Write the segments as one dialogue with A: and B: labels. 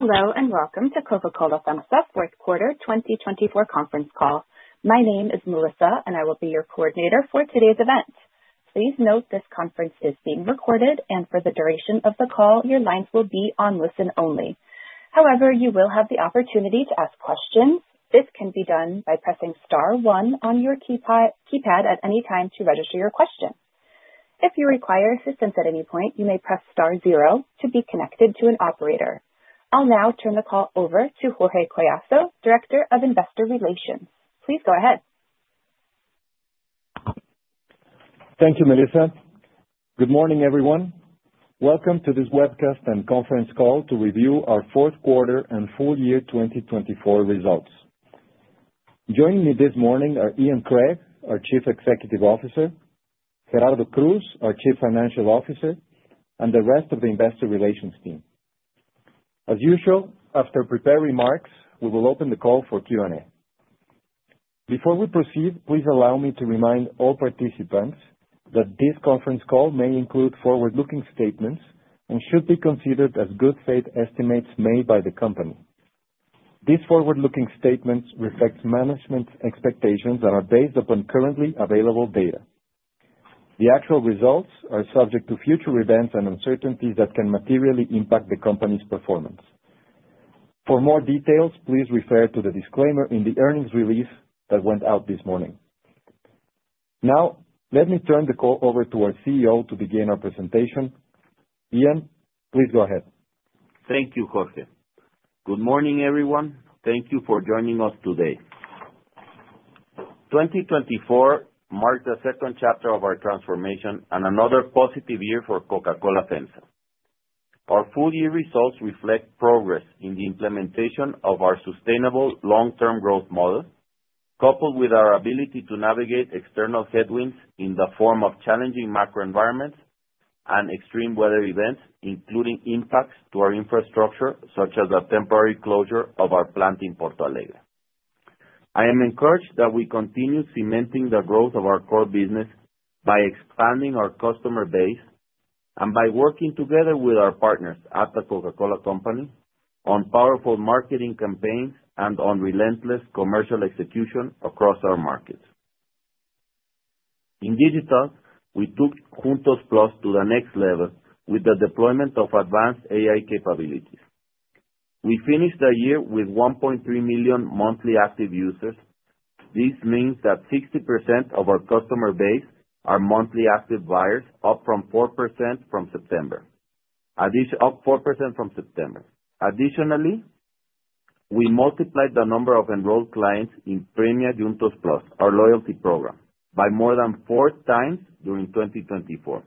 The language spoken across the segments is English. A: Hello and welcome to Coca-Cola FEMSA's fourth quarter 2024 conference call. My name is Melissa, and I will be your coordinator for today's event. Please note this conference is being recorded, and for the duration of the call, your lines will be on listen only. However, you will have the opportunity to ask questions. This can be done by pressing star one on your keypad at any time to register your question. If you require assistance at any point, you may press star zero to be connected to an operator. I'll now turn the call over to Jorge Collazo, Director of Investor Relations. Please go ahead.
B: Thank you, Melissa. Good morning, everyone. Welcome to this webcast and conference call to review our fourth quarter and full year 2024 results. Joining me this morning are Ian Craig, our Chief Executive Officer; Gerardo Cruz, our Chief Financial Officer; and the rest of the Investor Relations team. As usual, after prepared remarks, we will open the call for Q&A. Before we proceed, please allow me to remind all participants that this conference call may include forward-looking statements and should be considered as good faith estimates made by the company. These forward-looking statements reflect management's expectations that are based upon currently available data. The actual results are subject to future events and uncertainties that can materially impact the company's performance. For more details, please refer to the disclaimer in the earnings release that went out this morning. Now, let me turn the call over to our CEO to begin our presentation. Ian, please go ahead.
C: Thank you, Jorge. Good morning, everyone. Thank you for joining us today. 2024 marked the second chapter of our transformation and another positive year for Coca-Cola FEMSA. Our full year results reflect progress in the implementation of our sustainable long-term growth model, coupled with our ability to navigate external headwinds in the form of challenging macro environments and extreme weather events, including impacts to our infrastructure, such as the temporary closure of our plant in Porto Alegre. I am encouraged that we continue cementing the growth of our core business by expanding our customer base and by working together with our partners at the Coca-Cola Company on powerful marketing campaigns and on relentless commercial execution across our markets. In digital, we took Juntos+ to the next level with the deployment of advanced AI capabilities. We finished the year with 1.3 million monthly active users. This means that 60% of our customer base are monthly active buyers, up from 4% from September. Additionally, we multiplied the number of enrolled clients in Premia Juntos+, our loyalty program, by more than 4x during 2024.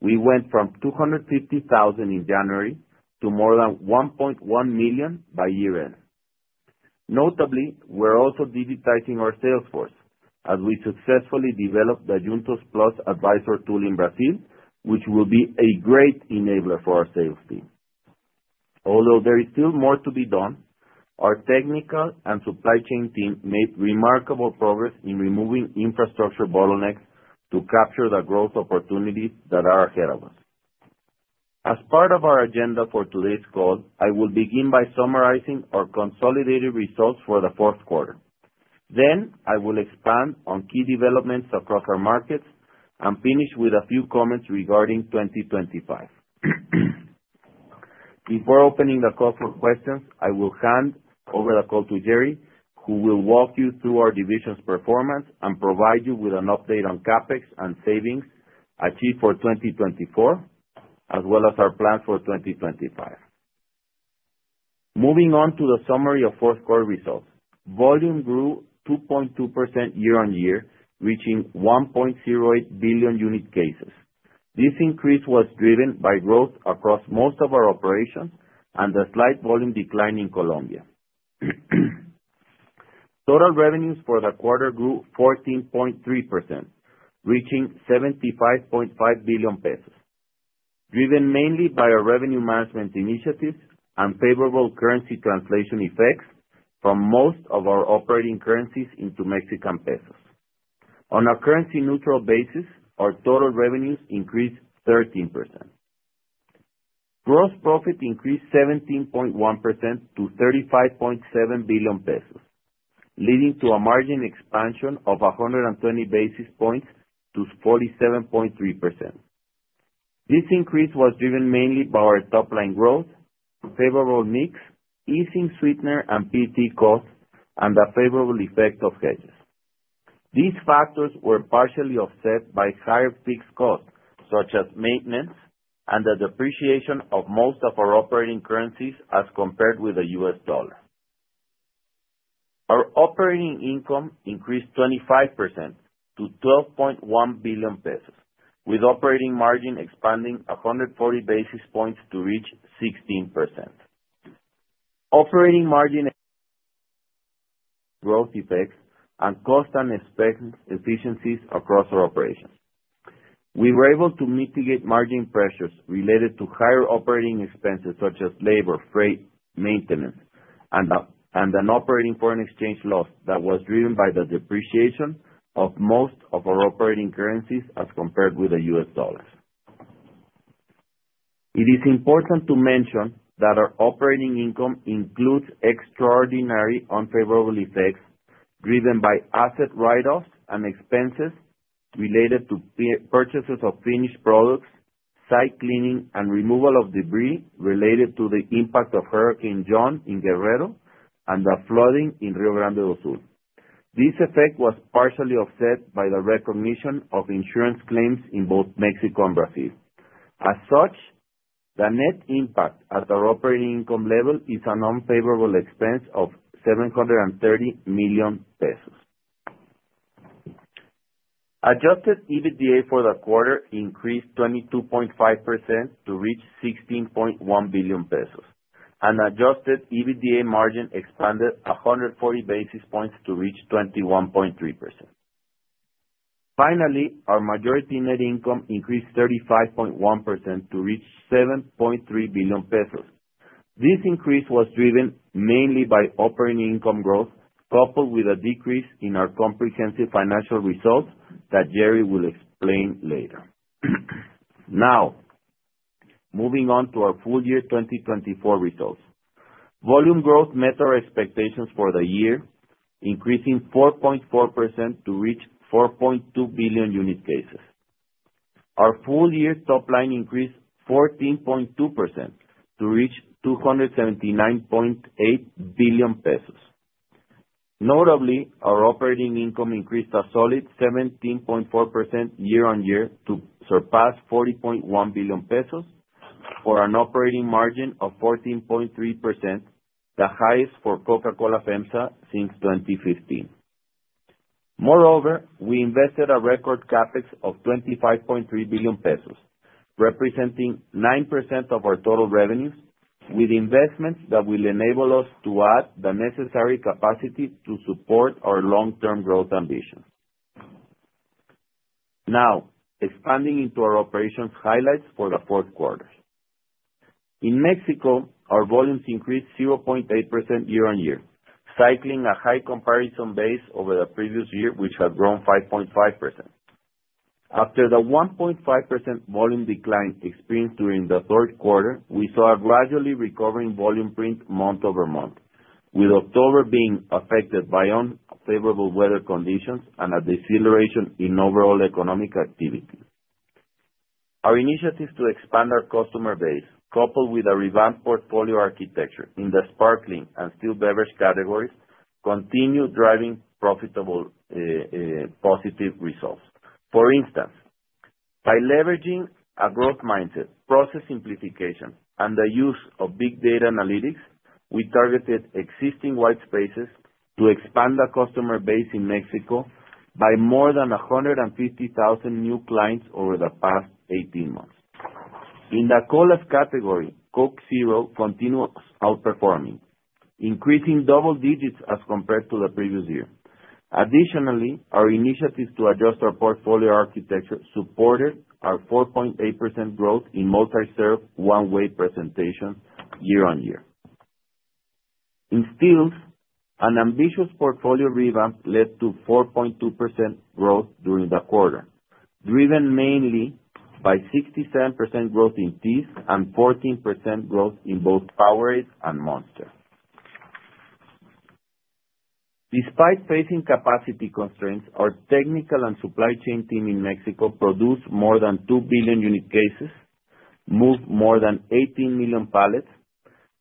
C: We went from 250,000 in January to more than 1.1 million by year-end. Notably, we're also digitizing our sales force as we successfully developed the Juntos+ Advisor tool in Brazil, which will be a great enabler for our sales team. Although there is still more to be done, our technical and supply chain team made remarkable progress in removing infrastructure bottlenecks to capture the growth opportunities that are ahead of us. As part of our agenda for today's call, I will begin by summarizing our consolidated results for the fourth quarter. Then, I will expand on key developments across our markets and finish with a few comments regarding 2025. Before opening the call for questions, I will hand over the call to Gerry, who will walk you through our division's performance and provide you with an update on CapEx and savings achieved for 2024, as well as our plans for 2025. Moving on to the summary of fourth quarter results, volume grew 2.2% year on year, reaching 1.08 billion unit cases. This increase was driven by growth across most of our operations and the slight volume decline in Colombia. Total revenues for the quarter grew 14.3%, reaching 75.5 billion pesos, driven mainly by our revenue management initiatives and favorable currency translation effects from most of our operating currencies into Mexican pesos. On a currency-neutral basis, our total revenues increased 13%. Gross profit increased 17.1% to 35.7 billion pesos, leading to a margin expansion of 120 basis points to 47.3%. This increase was driven mainly by our top-line growth, favorable mix, easing sweetener and PT costs, and the favorable effect of hedges. These factors were partially offset by higher fixed costs, such as maintenance and the depreciation of most of our operating currencies as compared with the U.S. dollar. Our operating income increased 25% to 12.1 billion pesos, with operating margin expanding 140 basis points to reach 16%. Operating margin growth effects and cost and expense efficiencies across our operations. We were able to mitigate margin pressures related to higher operating expenses, such as labor, freight, maintenance, and an operating foreign exchange loss that was driven by the depreciation of most of our operating currencies as compared with the U.S. dollar. It is important to mention that our operating income includes extraordinary unfavorable effects driven by asset write-offs and expenses related to purchases of finished products, site cleaning, and removal of debris related to the impact of Hurricane John in Guerrero and the flooding in Rio Grande do Sul. This effect was partially offset by the recognition of insurance claims in both Mexico and Brazil. As such, the net impact at our operating income level is an unfavorable expense of 730 million pesos. Adjusted EBITDA for the quarter increased 22.5% to reach 16.1 billion pesos, and adjusted EBITDA margin expanded 140 basis points to reach 21.3%. Finally, our majority net income increased 35.1% to reach 7.3 billion pesos. This increase was driven mainly by operating income growth, coupled with a decrease in our comprehensive financial results that Gerry will explain later. Now, moving on to our full year 2024 results. Volume growth met our expectations for the year, increasing 4.4% to reach 4.2 billion unit cases. Our full year top-line increased 14.2% to reach 279.8 billion pesos. Notably, our operating income increased a solid 17.4% year on year to surpass 40.1 billion pesos for an operating margin of 14.3%, the highest for Coca-Cola FEMSA since 2015. Moreover, we invested a record CapEx of 25.3 billion pesos, representing 9% of our total revenues, with investments that will enable us to add the necessary capacity to support our long-term growth ambitions. Now, expanding into our operations highlights for the fourth quarter. In Mexico, our volumes increased 0.8% year on year, cycling a high comparison base over the previous year, which had grown 5.5%. After the 1.5% volume decline experienced during the third quarter, we saw a gradually recovering volume print month over month, with October being affected by unfavorable weather conditions and a deceleration in overall economic activity. Our initiatives to expand our customer base, coupled with a revamped portfolio architecture in the sparkling and still beverage categories, continue driving profitable positive results. For instance, by leveraging a growth mindset, process simplification, and the use of big data analytics, we targeted existing white spaces to expand the customer base in Mexico by more than 150,000 new clients over the past 18 months. In the colas category, Coke Zero continues outperforming, increasing double digits as compared to the previous year. Additionally, our initiatives to adjust our portfolio architecture supported our 4.8% growth in multi-serve one-way presentation year on year. In stills, an ambitious portfolio revamp led to 4.2% growth during the quarter, driven mainly by 67% growth in teas and 14% growth in both Powerade and Monster. Despite facing capacity constraints, our technical and supply chain team in Mexico produced more than 2 billion unit cases, moved more than 18 million pallets,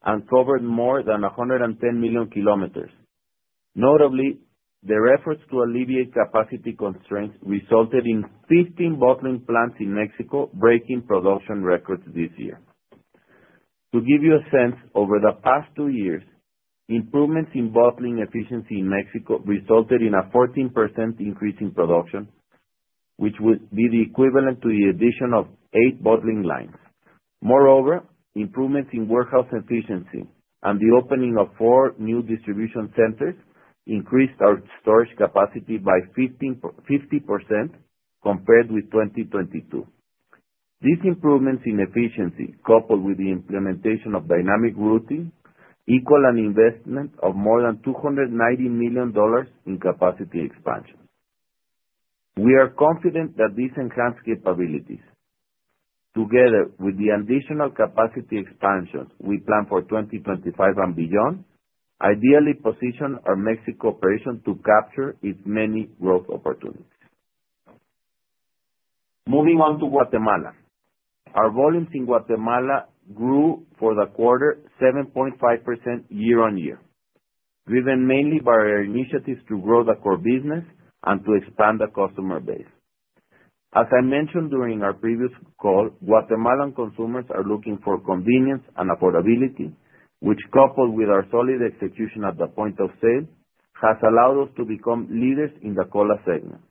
C: and covered more than 110 million km. Notably, the efforts to alleviate capacity constraints resulted in 15 bottling plants in Mexico breaking production records this year. To give you a sense, over the past two years, improvements in bottling efficiency in Mexico resulted in a 14% increase in production, which would be the equivalent to the addition of eight bottling lines. Moreover, improvements in warehouse efficiency and the opening of four new distribution centers increased our storage capacity by 50% compared with 2022. These improvements in efficiency, coupled with the implementation of dynamic routing, equal an investment of more than $290 million in capacity expansion. We are confident that these enhanced capabilities, together with the additional capacity expansions we plan for 2025 and beyond, ideally position our Mexico operation to capture its many growth opportunities. Moving on to Guatemala, our volumes in Guatemala grew for the quarter 7.5% year on year, driven mainly by our initiatives to grow the core business and to expand the customer base. As I mentioned during our previous call, Guatemalan consumers are looking for convenience and affordability, which, coupled with our solid execution at the point of sale, has allowed us to become leaders in the cola segment.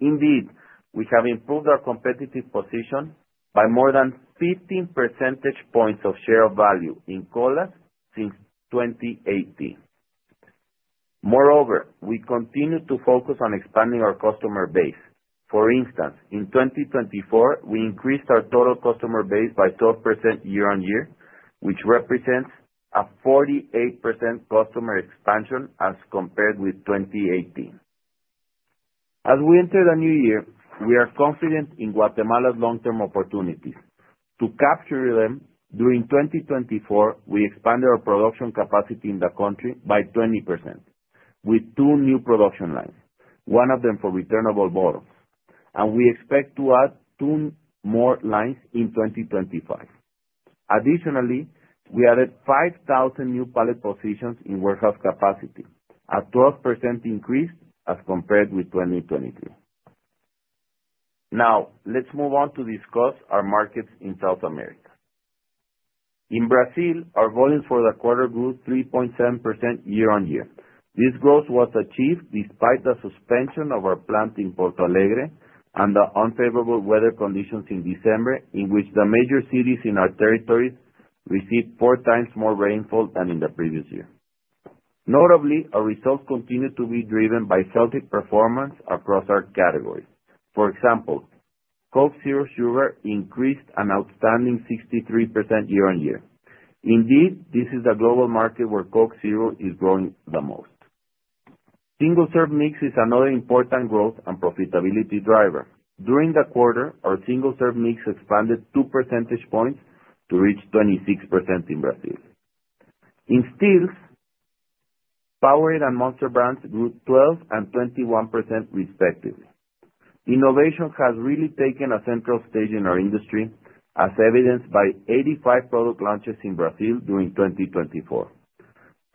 C: Indeed, we have improved our competitive position by more than 15 percentage points of share of value in colas since 2018. Moreover, we continue to focus on expanding our customer base. For instance, in 2024, we increased our total customer base by 12% year on year, which represents a 48% customer expansion as compared with 2018. As we enter the new year, we are confident in Guatemala's long-term opportunities. To capture them, during 2024, we expanded our production capacity in the country by 20%, with two new production lines, one of them for returnable bottles, and we expect to add two more lines in 2025. Additionally, we added 5,000 new pallet positions in warehouse capacity, a 12% increase as compared with 2023. Now, let's move on to discuss our markets in South America. In Brazil, our volumes for the quarter grew 3.7% year on year. This growth was achieved despite the suspension of our plant in Porto Alegre and the unfavorable weather conditions in December, in which the major cities in our territories received 4x more rainfall than in the previous year. Notably, our results continue to be driven by healthy performance across our categories. For example, Coke Zero Sugar increased an outstanding 63% year on year. Indeed, this is the global market where Coke Zero is growing the most. Single serve mix is another important growth and profitability driver. During the quarter, our single serve mix expanded 2 percentage points to reach 26% in Brazil. In stills, Powerade and Monster brands grew 12% and 21% respectively. Innovation has really taken a central stage in our industry, as evidenced by 85 product launches in Brazil during 2024.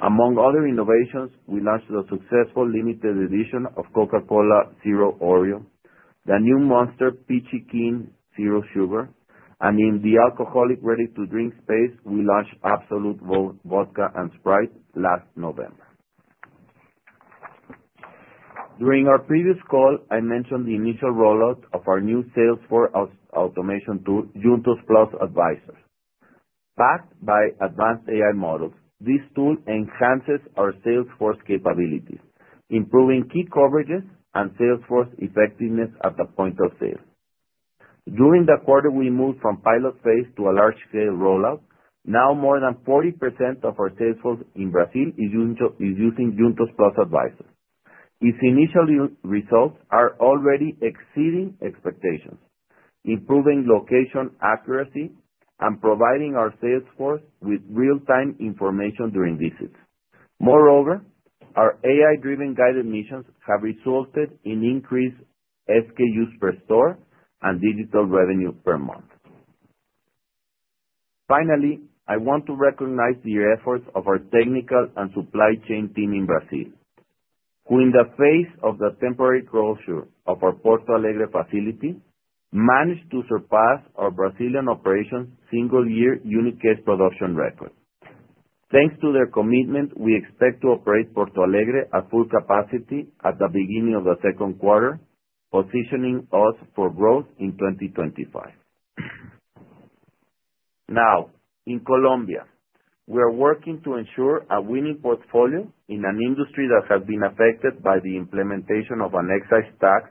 C: Among other innovations, we launched a successful limited edition of Coca-Cola Zero Oreo, the new Monster Peachy Keen Zero Sugar, and in the alcoholic ready-to-drink space, we launched Absolut Vodka and Sprite last November. During our previous call, I mentioned the initial rollout of our new sales force automation tool, Juntos+ Advisor. Backed by advanced AI models, this tool enhances our sales force capabilities, improving key coverages and sales force effectiveness at the point of sale. During the quarter, we moved from pilot phase to a large-scale rollout. Now, more than 40% of our sales force in Brazil is using Juntos+ Advisor. Its initial results are already exceeding expectations, improving location accuracy and providing our sales force with real-time information during visits. Moreover, our AI-driven guided missions have resulted in increased SKUs per store and digital revenue per month. Finally, I want to recognize the efforts of our technical and supply chain team in Brazil, who in the face of the temporary closure of our Porto Alegre facility, managed to surpass our Brazilian operations' single-year unit case production record. Thanks to their commitment, we expect to operate Porto Alegre at full capacity at the beginning of the second quarter, positioning us for growth in 2025. Now, in Colombia, we are working to ensure a winning portfolio in an industry that has been affected by the implementation of an excise tax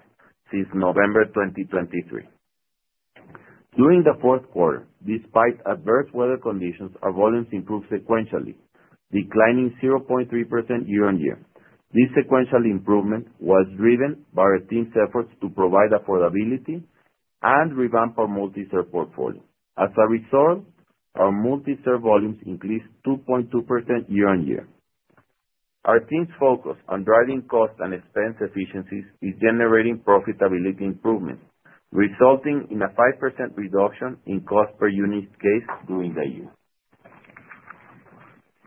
C: since November 2023. During the fourth quarter, despite adverse weather conditions, our volumes improved sequentially, declining 0.3% year on year. This sequential improvement was driven by our team's efforts to provide affordability and revamp our multi-serve portfolio. As a result, our multi-serve volumes increased 2.2% year on year. Our team's focus on driving cost and expense efficiencies is generating profitability improvements, resulting in a 5% reduction in cost per unit case during the year.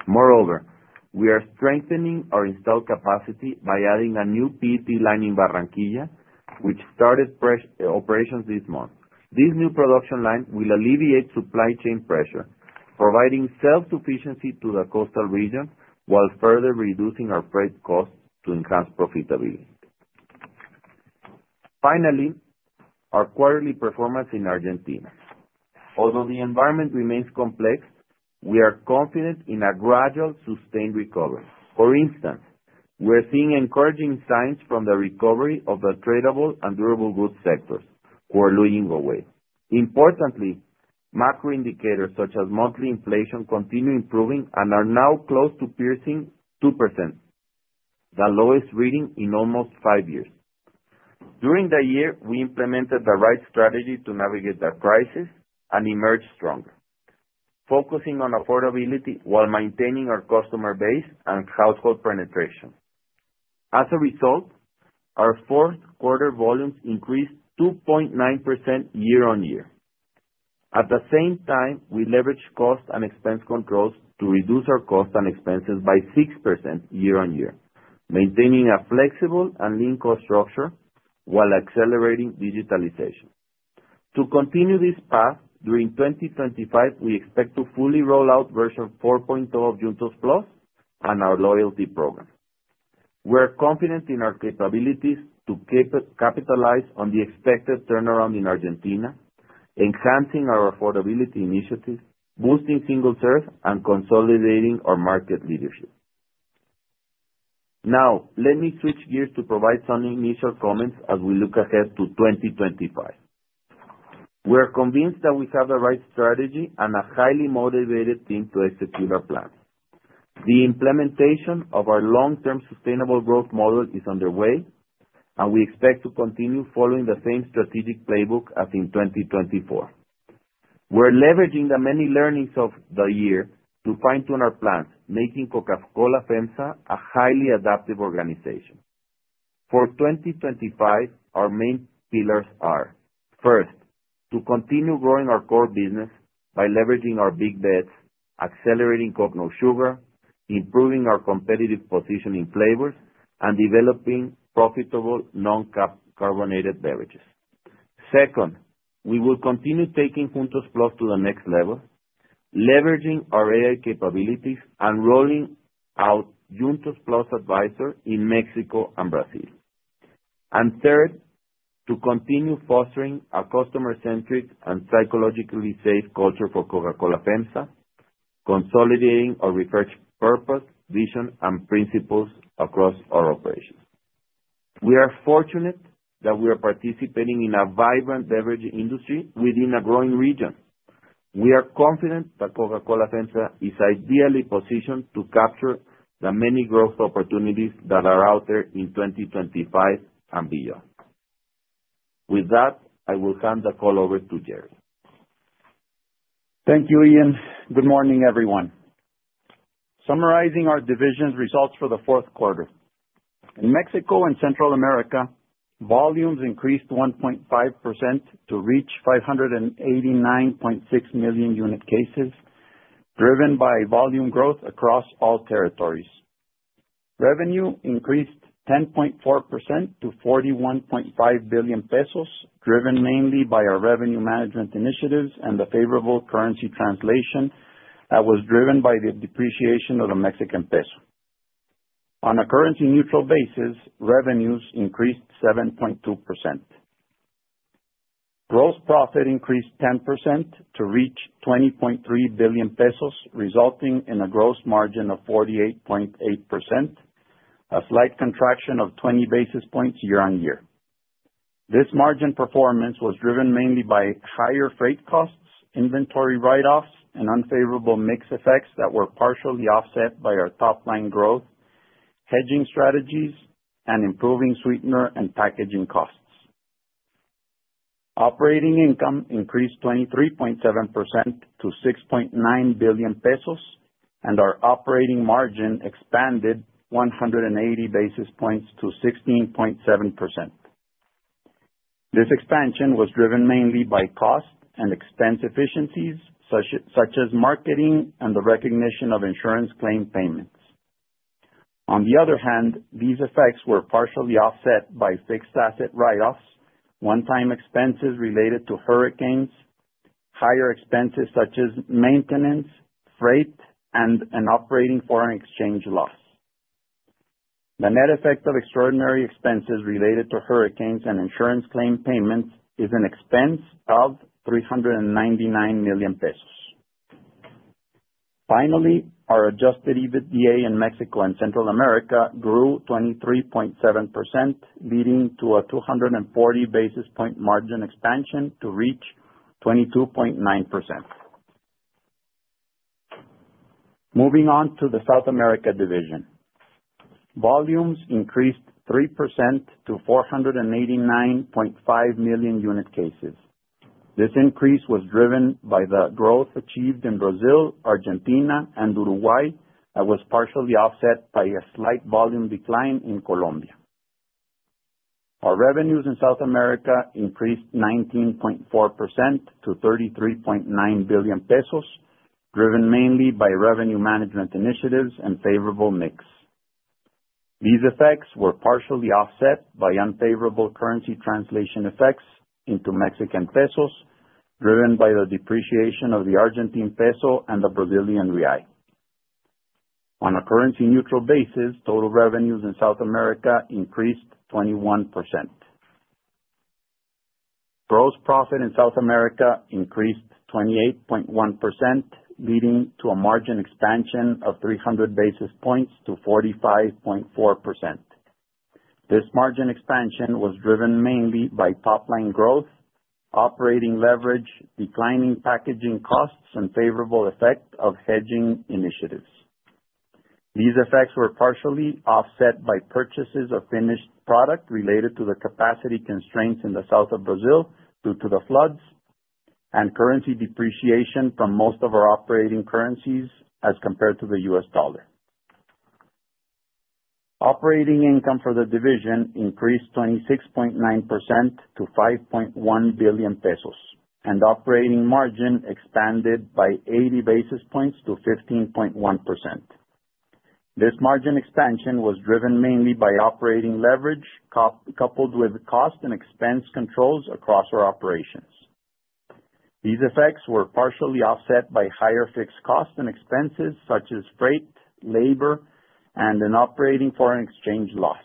C: Moreover, we are strengthening our installed capacity by adding a new PET line in Barranquilla, which started operations this month. This new production line will alleviate supply chain pressure, providing self-sufficiency to the coastal region while further reducing our freight costs to enhance profitability. Finally, our quarterly performance in Argentina. Although the environment remains complex, we are confident in a gradual sustained recovery. For instance, we are seeing encouraging signs from the recovery of the tradable and durable goods sectors, who are losing weight. Importantly, macro indicators such as monthly inflation continue improving and are now close to piercing 2%, the lowest reading in almost five years. During the year, we implemented the right strategy to navigate the crisis and emerge stronger, focusing on affordability while maintaining our customer base and household penetration. As a result, our fourth quarter volumes increased 2.9% year on year. At the same time, we leveraged cost and expense controls to reduce our cost and expenses by 6% year on year, maintaining a flexible and lean cost structure while accelerating digitalization. To continue this path, during 2025, we expect to fully roll out version 4.0 of Juntos+ and our loyalty program. We are confident in our capabilities to capitalize on the expected turnaround in Argentina, enhancing our affordability initiatives, boosting single-serve, and consolidating our market leadership. Now, let me switch gears to provide some initial comments as we look ahead to 2025. We are convinced that we have the right strategy and a highly motivated team to execute our plans. The implementation of our long-term sustainable growth model is underway, and we expect to continue following the same strategic playbook as in 2024. We're leveraging the many learnings of the year to fine-tune our plans, making Coca-Cola FEMSA a highly adaptive organization. For 2025, our main pillars are: first, to continue growing our core business by leveraging our big bets, accelerating Coke No Sugar, improving our competitive position in flavors, and developing profitable non-carbonated beverages. Second, we will continue taking Juntos+ to the next level, leveraging our AI capabilities and rolling out Juntos+ Advisor in Mexico and Brazil. And third, to continue fostering a customer-centric and psychologically safe culture for Coca-Cola FEMSA, consolidating our research purpose, vision, and principles across our operations. We are fortunate that we are participating in a vibrant beverage industry within a growing region. We are confident that Coca-Cola FEMSA is ideally positioned to capture the many growth opportunities that are out there in 2025 and beyond. With that, I will hand the call over to Gerry.
D: Thank you, Ian. Good morning, everyone. Summarizing our division's results for the fourth quarter. In Mexico and Central America, volumes increased 1.5% to reach 589.6 million unit cases, driven by volume growth across all territories. Revenue increased 10.4% to 41.5 billion pesos, driven mainly by our revenue management initiatives and the favorable currency translation that was driven by the depreciation of the Mexican peso. On a currency-neutral basis, revenues increased 7.2%. Gross profit increased 10% to reach 20.3 billion pesos, resulting in a gross margin of 48.8%, a slight contraction of 20 basis points year on year. This margin performance was driven mainly by higher freight costs, inventory write-offs, and unfavorable mix effects that were partially offset by our top-line growth, hedging strategies, and improving sweetener and packaging costs. Operating income increased 23.7% to 6.9 billion pesos, and our operating margin expanded 180 basis points to 16.7%. This expansion was driven mainly by cost and expense efficiencies, such as marketing and the recognition of insurance claim payments. On the other hand, these effects were partially offset by fixed asset write-offs, one-time expenses related to hurricanes, higher expenses such as maintenance, freight, and an operating foreign exchange loss. The net effect of extraordinary expenses related to hurricanes and insurance claim payments is an expense of 399 million pesos. Finally, our adjusted EBITDA in Mexico and Central America grew 23.7%, leading to a 240 basis point margin expansion to reach 22.9%. Moving on to the South America division, volumes increased 3% to 489.5 million unit cases. This increase was driven by the growth achieved in Brazil, Argentina, and Uruguay that was partially offset by a slight volume decline in Colombia. Our revenues in South America increased 19.4% to 33.9 billion pesos, driven mainly by revenue management initiatives and favorable mix. These effects were partially offset by unfavorable currency translation effects into Mexican pesos, driven by the depreciation of the Argentine peso and the Brazilian real. On a currency-neutral basis, total revenues in South America increased 21%. Gross profit in South America increased 28.1%, leading to a margin expansion of 300 basis points to 45.4%. This margin expansion was driven mainly by top-line growth, operating leverage, declining packaging costs, and favorable effect of hedging initiatives. These effects were partially offset by purchases of finished product related to the capacity constraints in the south of Brazil due to the floods and currency depreciation from most of our operating currencies as compared to the U.S. dollar. Operating income for the division increased 26.9% to 5.1 billion pesos, and operating margin expanded by 80 basis points to 15.1%. This margin expansion was driven mainly by operating leverage coupled with cost and expense controls across our operations. These effects were partially offset by higher fixed costs and expenses such as freight, labor, and an operating foreign exchange loss.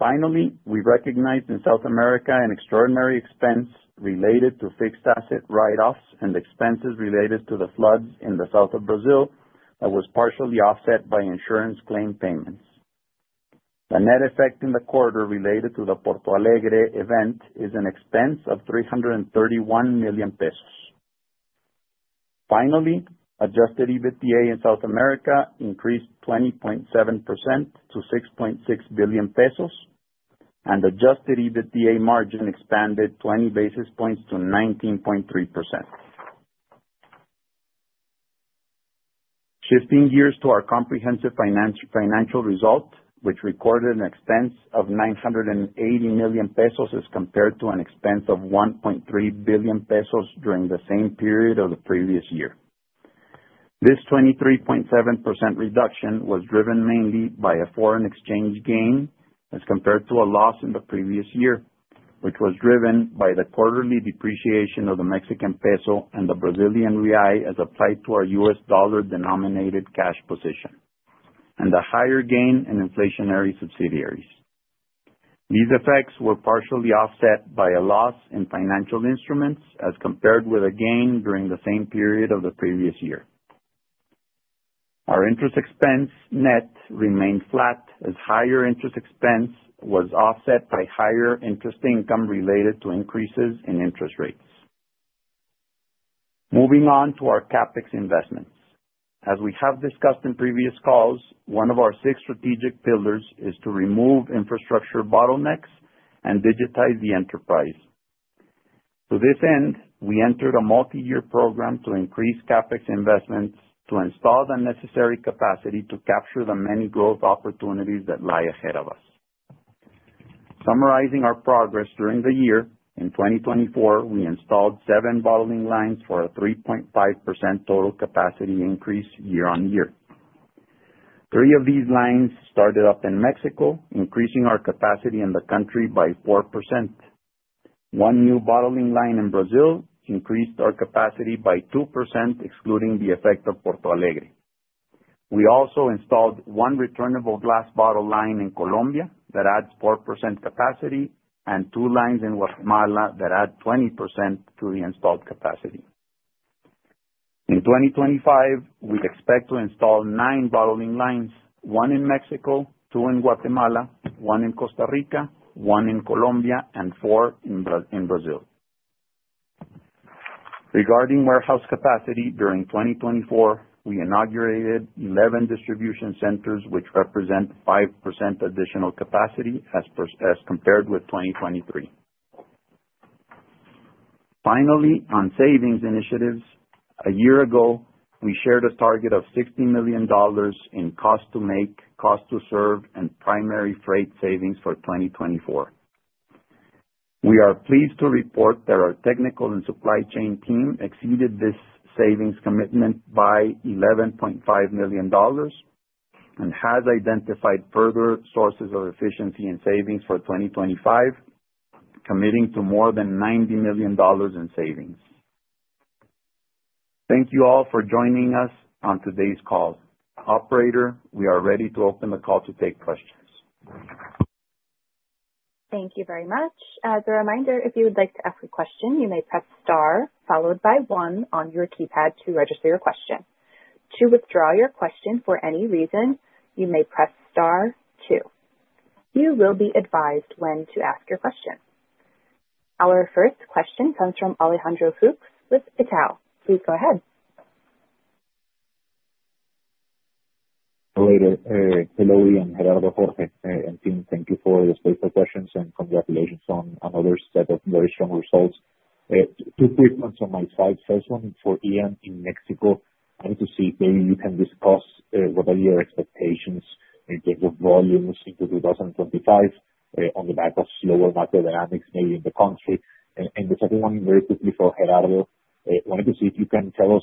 D: Finally, we recognized in South America an extraordinary expense related to fixed asset write-offs and expenses related to the floods in the south of Brazil that was partially offset by insurance claim payments. The net effect in the quarter related to the Porto Alegre event is an expense of 331 million pesos. Finally, adjusted EBITDA in South America increased 20.7% to 6.6 billion pesos, and adjusted EBITDA margin expanded 20 basis points to 19.3%. Shifting gears to our comprehensive financial result, which recorded an expense of 980 million pesos as compared to an expense of 1.3 billion pesos during the same period of the previous year. This 23.7% reduction was driven mainly by a foreign exchange gain as compared to a loss in the previous year, which was driven by the quarterly depreciation of the Mexican peso and the Brazilian real as applied to our U.S. dollar-denominated cash position, and the higher gain in inflationary subsidiaries. These effects were partially offset by a loss in financial instruments as compared with a gain during the same period of the previous year. Our interest expense net remained flat as higher interest expense was offset by higher interest income related to increases in interest rates. Moving on to our CapEx investments. As we have discussed in previous calls, one of our six strategic pillars is to remove infrastructure bottlenecks and digitize the enterprise. To this end, we entered a multi-year program to increase CapEx investments to install the necessary capacity to capture the many growth opportunities that lie ahead of us. Summarizing our progress during the year, in 2024, we installed seven bottling lines for a 3.5% total capacity increase year on year. Three of these lines started up in Mexico, increasing our capacity in the country by 4%. One new bottling line in Brazil increased our capacity by 2%, excluding the effect of Porto Alegre. We also installed one returnable glass bottle line in Colombia that adds 4% capacity and two lines in Guatemala that add 20% to the installed capacity. In 2025, we expect to install nine bottling lines, one in Mexico, two in Guatemala, one in Costa Rica, one in Colombia, and four in Brazil. Regarding warehouse capacity during 2024, we inaugurated 11 distribution centers, which represent 5% additional capacity as compared with 2023. Finally, on savings initiatives, a year ago, we shared a target of $60 million in cost-to-make, cost-to-serve, and primary freight savings for 2024. We are pleased to report that our technical and supply chain team exceeded this savings commitment by $11.5 million and has identified further sources of efficiency and savings for 2025, committing to more than $90 million in savings. Thank you all for joining us on today's call. Operator, we are ready to open the call to take questions.
A: Thank you very much. As a reminder, if you would like to ask a question, you may press star followed by one on your keypad to register your question. To withdraw your question for any reason, you may press star two. You will be advised when to ask your question. Our first question comes from Alejandro Fuchs with Itaú. Please go ahead.
E: Hello, Ian. Gerardo, Jorge, Ian and team, thank you for the space for questions and congratulations on another set of very strong results. Two quick ones on my side. First one for Ian in Mexico. I wanted to see if maybe you can discuss what are your expectations in terms of volumes into 2025 on the back of slower macro dynamics maybe in the country. And the second one very quickly for Gerardo. I wanted to see if you can tell us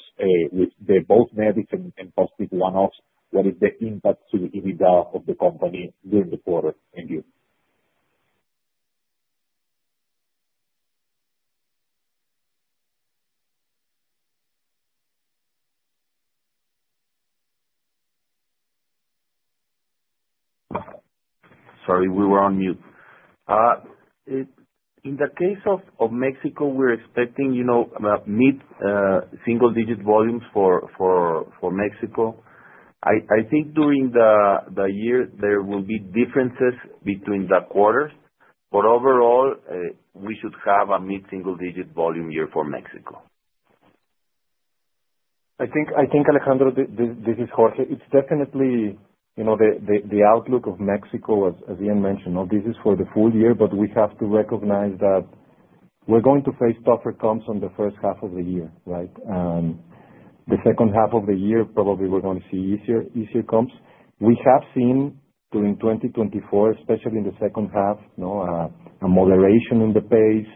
E: with both negative and positive one-offs what is the impact to the EBITDA of the company during the quarter and year.
C: Sorry, we were on mute. In the case of Mexico, we're expecting mid-single-digit volumes for Mexico. I think during the year there will be differences between the quarters, but overall, we should have a mid-single-digit volume year for Mexico.
B: I think, Alejandro, this is Jorge. It's definitely the outlook of Mexico, as Ian mentioned. This is for the full year, but we have to recognize that we're going to face tougher comps on the first half of the year, right? The second half of the year, probably we're going to see easier comps. We have seen during 2024, especially in the second half, a moderation in the pace.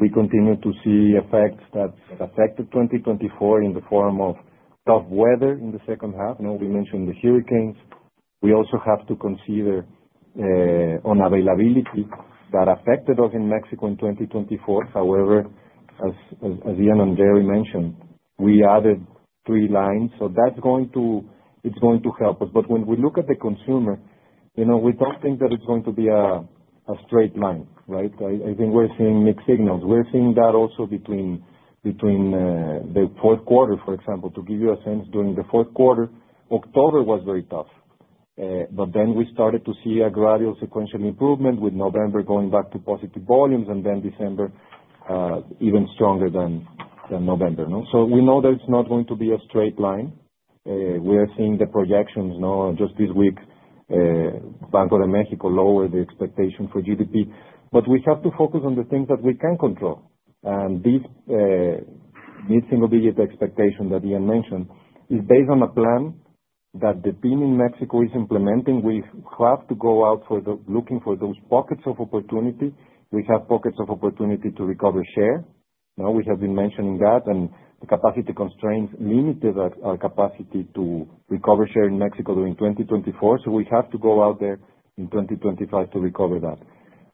B: We continue to see effects that affected 2024 in the form of tough weather in the second half. We mentioned the hurricanes. We also have to consider unavailability that affected us in Mexico in 2024. However, as Ian and Gerry mentioned, we added three lines. So that's going to help us. But when we look at the consumer, we don't think that it's going to be a straight line, right? I think we're seeing mixed signals. We're seeing that also between the fourth quarter, for example. To give you a sense, during the fourth quarter, October was very tough. But then we started to see a gradual sequential improvement with November going back to positive volumes, and then December even stronger than November. So we know that it's not going to be a straight line. We are seeing the projections. Just this week, Banco de México lowered the expectation for GDP. But we have to focus on the things that we can control. And this mid-single-digit expectation that Ian mentioned is based on a plan that the team in México is implementing. We have to go out looking for those pockets of opportunity. We have pockets of opportunity to recover share. We have been mentioning that, and the capacity constraints limited our capacity to recover share in Mexico during 2024, so we have to go out there in 2025 to recover that.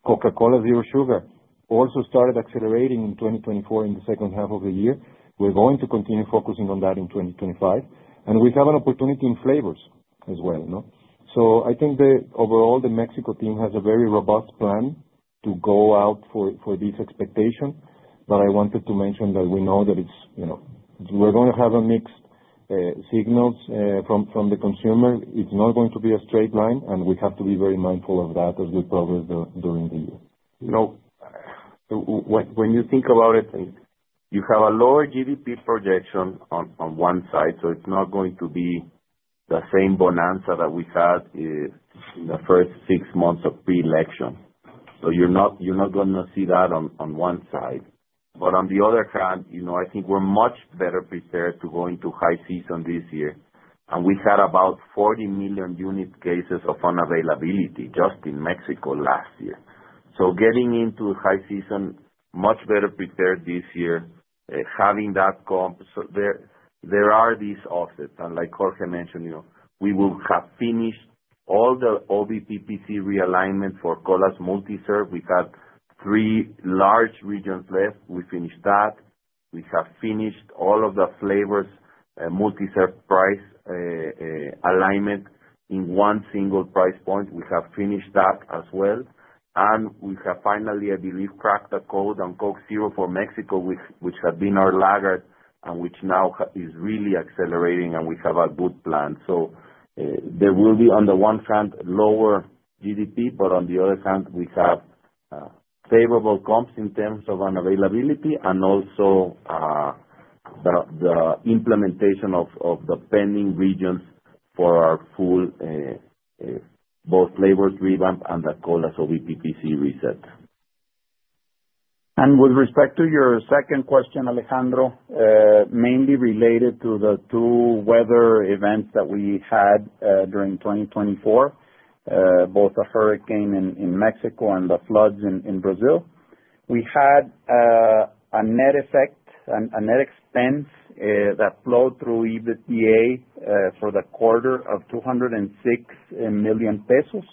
B: Coca-Cola Zero Sugar also started accelerating in 2024 in the second half of the year, we're going to continue focusing on that in 2025, and we have an opportunity in flavors as well, so I think overall, the Mexico team has a very robust plan to go out for this expectation. But I wanted to mention that we know that we're going to have mixed signals from the consumer. It's not going to be a straight line, and we have to be very mindful of that as we progress during the year.
C: When you think about it, you have a lower GDP projection on one side, so it's not going to be the same bonanza that we had in the first six months of pre-election, so you're not going to see that on one side, but on the other hand, I think we're much better prepared to go into high season this year, and we had about 40 million unit cases of unavailability just in Mexico last year, so getting into high season, much better prepared this year, having that comp, so there are these offsets, and like Jorge mentioned, we will have finished all the OBPPC realignment for colas multi-serve. We've got three large regions left. We finished that. We have finished all of the flavors multi-serve price alignment in one single price point. We have finished that as well. We have finally, I believe, cracked a code on Coke Zero for Mexico, which had been our laggard and which now is really accelerating, and we have a good plan. So there will be, on the one hand, lower GDP, but on the other hand, we have favorable comps in terms of unavailability and also the implementation of the pending regions for our full both flavors revamp and the Colas OBPPC reset.
D: With respect to your second question, Alejandro, mainly related to the two weather events that we had during 2024, both the hurricane in Mexico and the floods in Brazil, we had a net effect, a net expense that flowed through EBITDA for the quarter of 206 million pesos.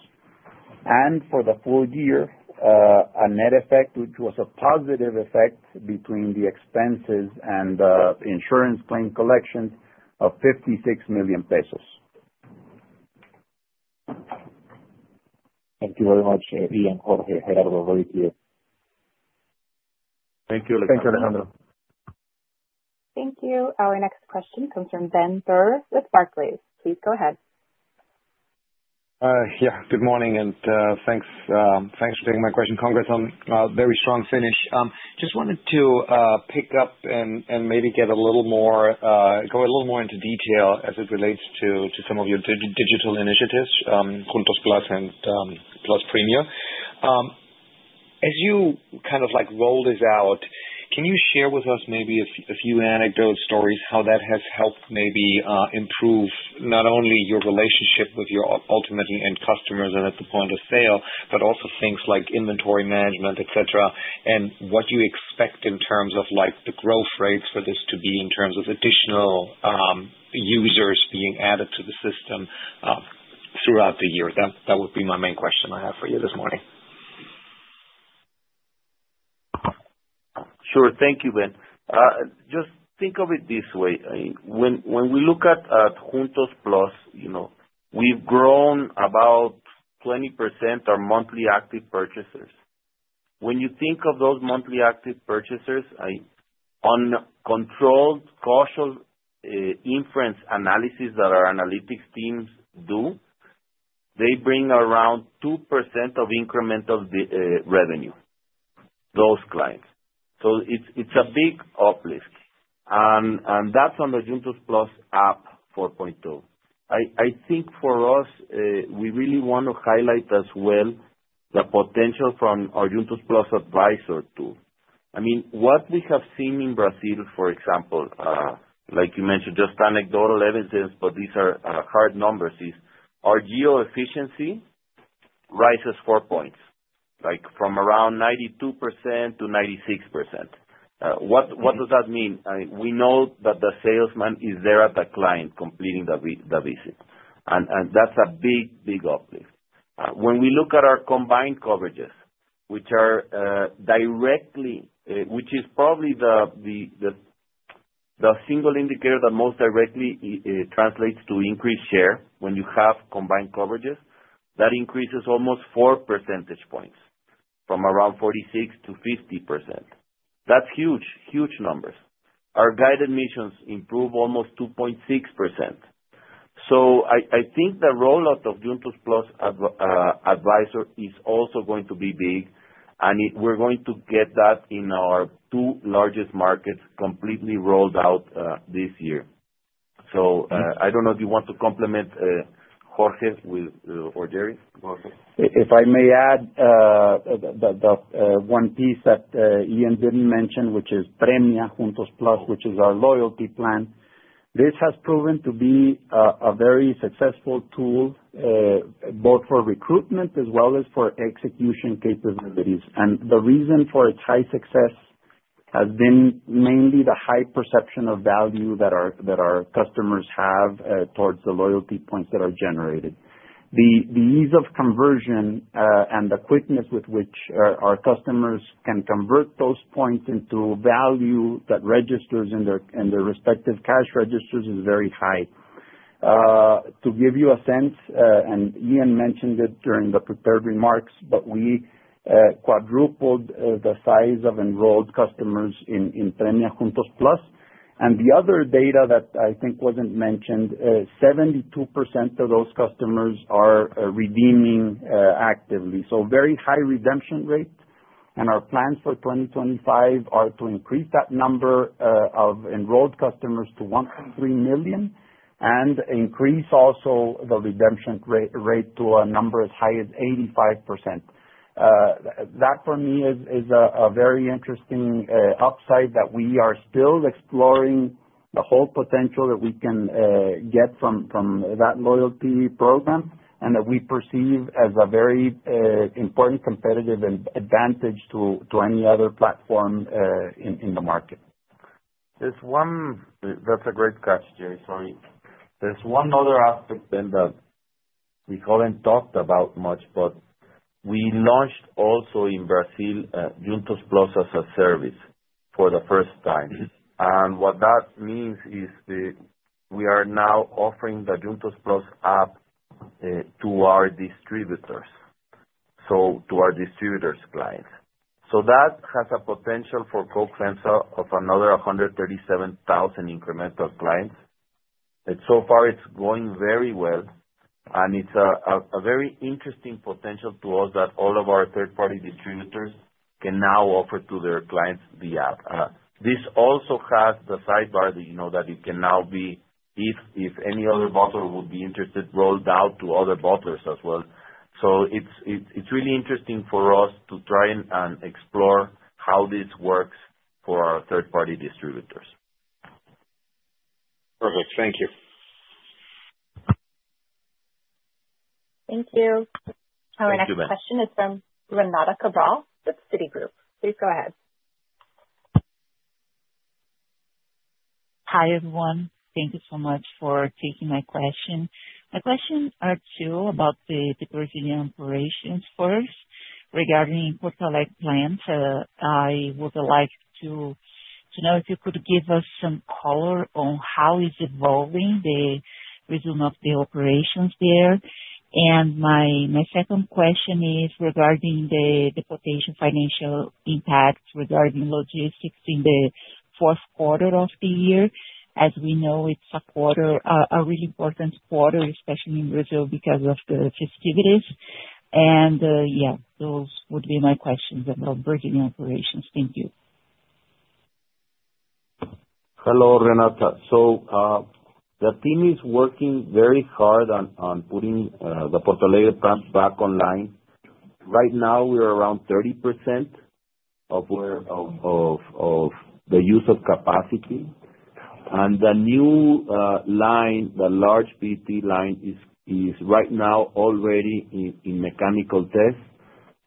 D: For the full year, a net effect, which was a positive effect between the expenses and the insurance claim collections of 56 million pesos.
E: Thank you very much, Ian, Jorge, Gerardo, over to you.
C: Thank you, Alejandro.
A: Thank you. Our next question comes from Ben Theurer with Barclays. Please go ahead.
F: Yeah, good morning, and thanks for taking my question. Congrats on a very strong finish. Just wanted to pick up and maybe get a little more into detail as it relates to some of your digital initiatives, Juntos+ and Premia. As you kind of roll this out, can you share with us maybe a few anecdotes, stories, how that has helped maybe improve not only your relationship with your ultimate end customers and at the point of sale, but also things like inventory management, etc., and what you expect in terms of the growth rates for this to be in terms of additional users being added to the system throughout the year? That would be my main question I have for you this morning.
C: Sure. Thank you, Ben. Just think of it this way. When we look at Juntos+, we've grown about 20% our monthly active purchasers. When you think of those monthly active purchasers, uncontrolled partial inference analysis that our analytics teams do, they bring around 2% of incremental revenue, those clients. So it's a big uplift, and that's on the Juntos+ app 4.0. I think for us, we really want to highlight as well the potential from our Juntos+ Advisor tool. I mean, what we have seen in Brazil, for example, like you mentioned, just anecdotal evidence, but these are hard numbers, is our geo efficiency rises four points, from around 92%-96%. What does that mean? We know that the salesman is there at the client completing the visit, and that's a big, big uplift. When we look at our combined coverages, which is probably the single indicator that most directly translates to increased share when you have combined coverages, that increases almost 4 percentage points from around 46%-50%. That's huge, huge numbers. Our guided missions improve almost 2.6%. So I think the rollout of Juntos+ advisor is also going to be big, and we're going to get that in our two largest markets completely rolled out this year. So I don't know if you want to complement Jorge or Gerry.
D: If I may add the one piece that Ian didn't mention, which is Premia Juntos+, which is our loyalty plan, this has proven to be a very successful tool both for recruitment as well as for execution capabilities. And the reason for its high success has been mainly the high perception of value that our customers have towards the loyalty points that are generated. The ease of conversion and the quickness with which our customers can convert those points into value that registers in their respective cash registers is very high. To give you a sense, and Ian mentioned it during the prepared remarks, but we quadrupled the size of enrolled customers in Premia Juntos+. And the other data that I think wasn't mentioned, 72% of those customers are redeeming actively. So very high redemption rate. And our plans for 2025 are to increase that number of enrolled customers to 1.3 million and increase also the redemption rate to a number as high as 85%. That, for me, is a very interesting upside that we are still exploring the whole potential that we can get from that loyalty program and that we perceive as a very important competitive advantage to any other platform in the market.
C: That's a great catch, Gerry. Sorry. There's one other aspect then that we haven't talked about much, but we launched also in Brazil Juntos+ as a Service for the first time. And what that means is we are now offering the Juntos+ app to our distributors, so to our distributors' clients. So that has a potential for Coca-Cola FEMSA of another 137,000 incremental clients. So far, it's going very well, and it's a very interesting potential to us that all of our third-party distributors can now offer to their clients the app. This also has the sidebar that you can now be, if any other bottler would be interested, rolled out to other bottlers as well. So it's really interesting for us to try and explore how this works for our third-party distributors.
F: Perfect. Thank you.
A: Thank you. Our next question is from Renata Cabral with Citigroup. Please go ahead.
G: Hi, everyone. Thank you so much for taking my question. My questions are two about the Brazilian operations first. Regarding Porto Alegre Plant, I would like to know if you could give us some color on how is evolving the resume of the operations there. And my second question is regarding the potential financial impact regarding logistics in the fourth quarter of the year. As we know, it's a really important quarter, especially in Brazil because of the festivities. And yeah, those would be my questions about Brazilian operations. Thank you.
C: Hello, Renata. The team is working very hard on putting the Porto Alegre plants back online. Right now, we are around 30% of the use of capacity. The new line, the large PET line, is right now already in mechanical test,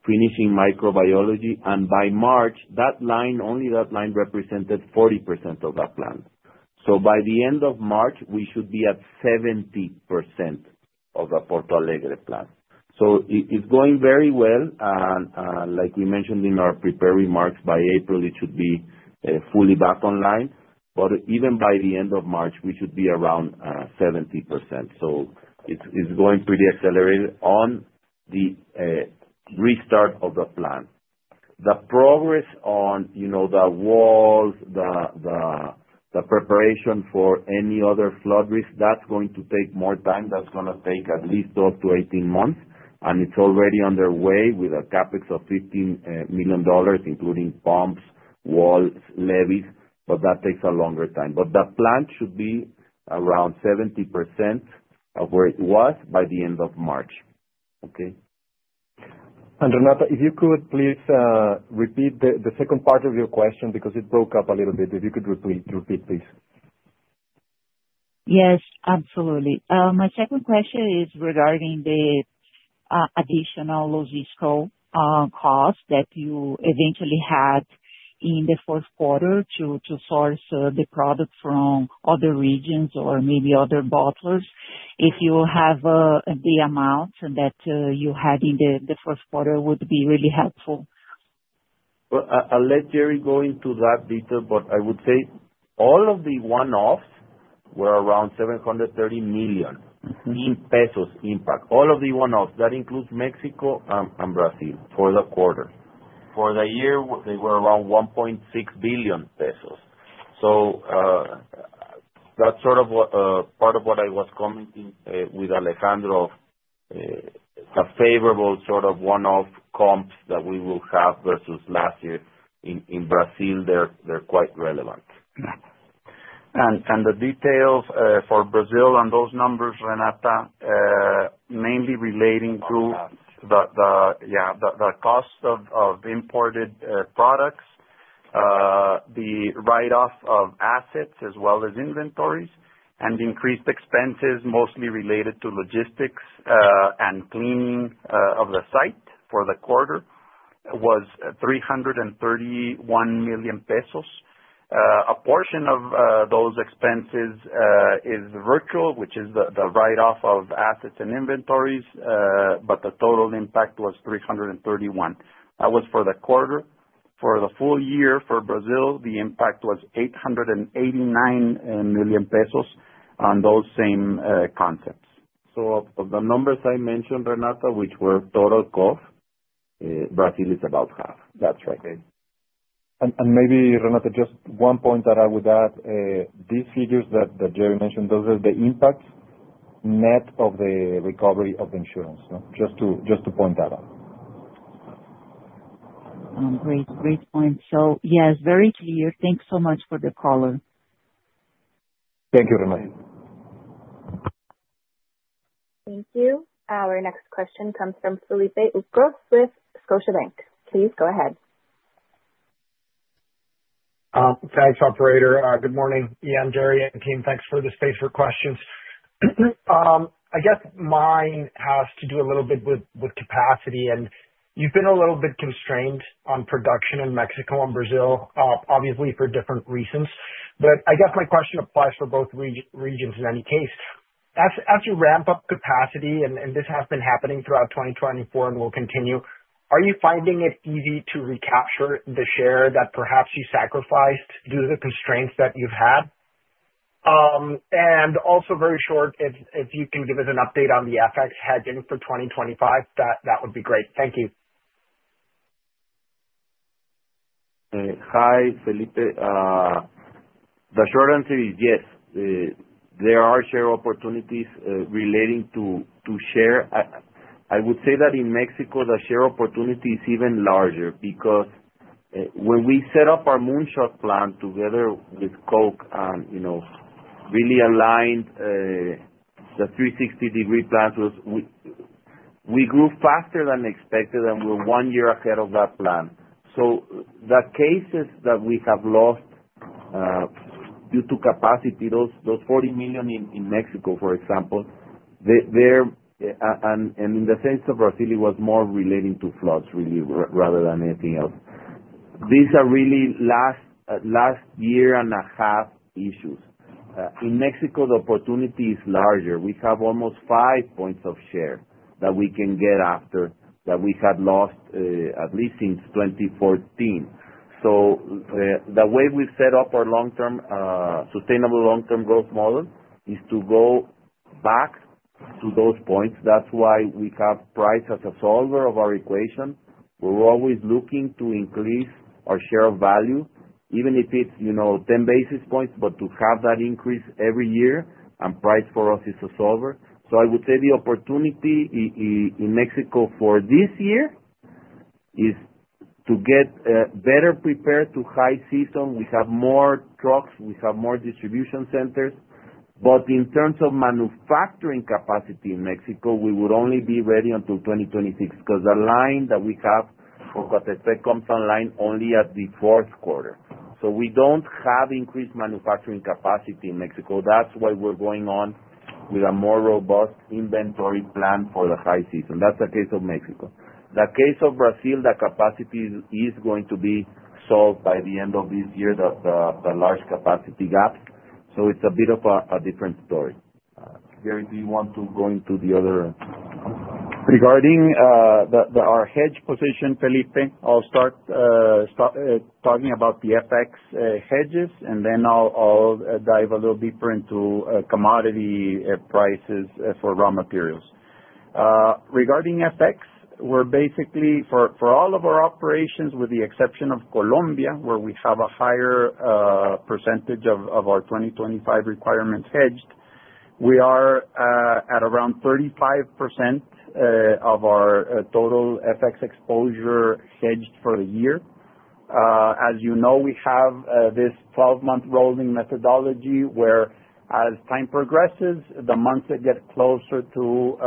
C: finishing microbiology. By March, that line, only that line represented 40% of that plant. By the end of March, we should be at 70% of the Porto Alegre plant. It's going very well. Like we mentioned in our prepared remarks, by April, it should be fully back online. Even by the end of March, we should be around 70%. It's going pretty accelerated on the restart of the plant. The progress on the walls, the preparation for any other flood risk, that's going to take more time. That's going to take at least 12-18 months. And it's already underway with a CapEx of $15 million, including pumps, walls, levees, but that takes a longer time. But the plant should be around 70% of where it was by the end of March. Okay?
B: And Renata, if you could please repeat the second part of your question because it broke up a little bit. If you could repeat, please.
G: Yes, absolutely. My second question is regarding the additional logistical costs that you eventually had in the fourth quarter to source the product from other regions or maybe other bottlers. If you have the amounts that you had in the fourth quarter, it would be really helpful.
C: Well, I'll let Gerry go into that detail, but I would say all of the one-offs were around 730 million pesos impact. All of the one-offs, that includes Mexico and Brazil for the quarter. For the year, they were around 1.6 billion pesos. That's sort of part of what I was commenting with Alejandro of a favorable sort of one-off comps that we will have versus last year in Brazil. They're quite relevant.
D: The details for Brazil and those numbers, Renata, mainly relating to the cost of imported products, the write-off of assets as well as inventories, and increased expenses mostly related to logistics and cleaning of the site for the quarter was 331 million pesos. A portion of those expenses is virtual, which is the write-off of assets and inventories, but the total impact was 331 million. That was for the quarter. For the full year for Brazil, the impact was 889 million pesos on those same concepts.
C: Of the numbers I mentioned, Renata, which were total cost, Brazil is about half. That's right. Okay.
B: And maybe, Renata, just one point that I would add, these figures that Gerry mentioned, those are the impacts net of the recovery of the insurance, just to point that out.
G: Great point. So yes, very clear. Thanks so much for the color.
C: Thank you, Renata.
G: Thank you. Our next question comes from Felipe Ucros with Scotiabank. Please go ahead.
H: Thanks, operator. Good morning, Ian, Gerry, and team. Thanks for the space for questions. I guess mine has to do a little bit with capacity, and you've been a little bit constrained on production in Mexico and Brazil, obviously for different reasons. But I guess my question applies for both regions in any case. As you ramp up capacity, and this has been happening throughout 2024 and will continue, are you finding it easy to recapture the share that perhaps you sacrificed due to the constraints that you've had? Also, very short, if you can give us an update on the FX hedging for 2025, that would be great. Thank you.
C: Hi, Felipe. The short answer is yes. There are share opportunities relating to share. I would say that in Mexico, the share opportunity is even larger because when we set up our Moonshot plan together with Coke and really aligned the 360-degree plans, we grew faster than expected and were one year ahead of that plan. So the cases that we have lost due to capacity, those 40 million in Mexico, for example, and in the sense of Brazil, it was more relating to floods really rather than anything else. These are really last year and a half issues. In Mexico, the opportunity is larger. We have almost five points of share that we can get after that we had lost at least since 2014. So the way we've set up our sustainable long-term growth model is to go back to those points. That's why we have price as a solver of our equation. We're always looking to increase our share of value, even if it's 10 basis points, but to have that increase every year, and price for us is a solver. So I would say the opportunity in Mexico for this year is to get better prepared to high season. We have more trucks. We have more distribution centers. But in terms of manufacturing capacity in Mexico, we would only be ready until 2026 because the line that we have for compound line only at the fourth quarter. So we don't have increased manufacturing capacity in Mexico. That's why we're going on with a more robust inventory plan for the high season. That's the case of Mexico. The case of Brazil, the capacity is going to be solved by the end of this year, the large capacity gap. So it's a bit of a different story. Gerry, do you want to go into the other?
D: Regarding our hedge position, Felipe, I'll start talking about the FX hedges, and then I'll dive a little deeper into commodity prices for raw materials. Regarding FX, we're basically for all of our operations, with the exception of Colombia, where we have a higher percentage of our 2025 requirements hedged, we are at around 35% of our total FX exposure hedged for the year. As you know, we have this 12-month rolling methodology where, as time progresses, the months that get closer to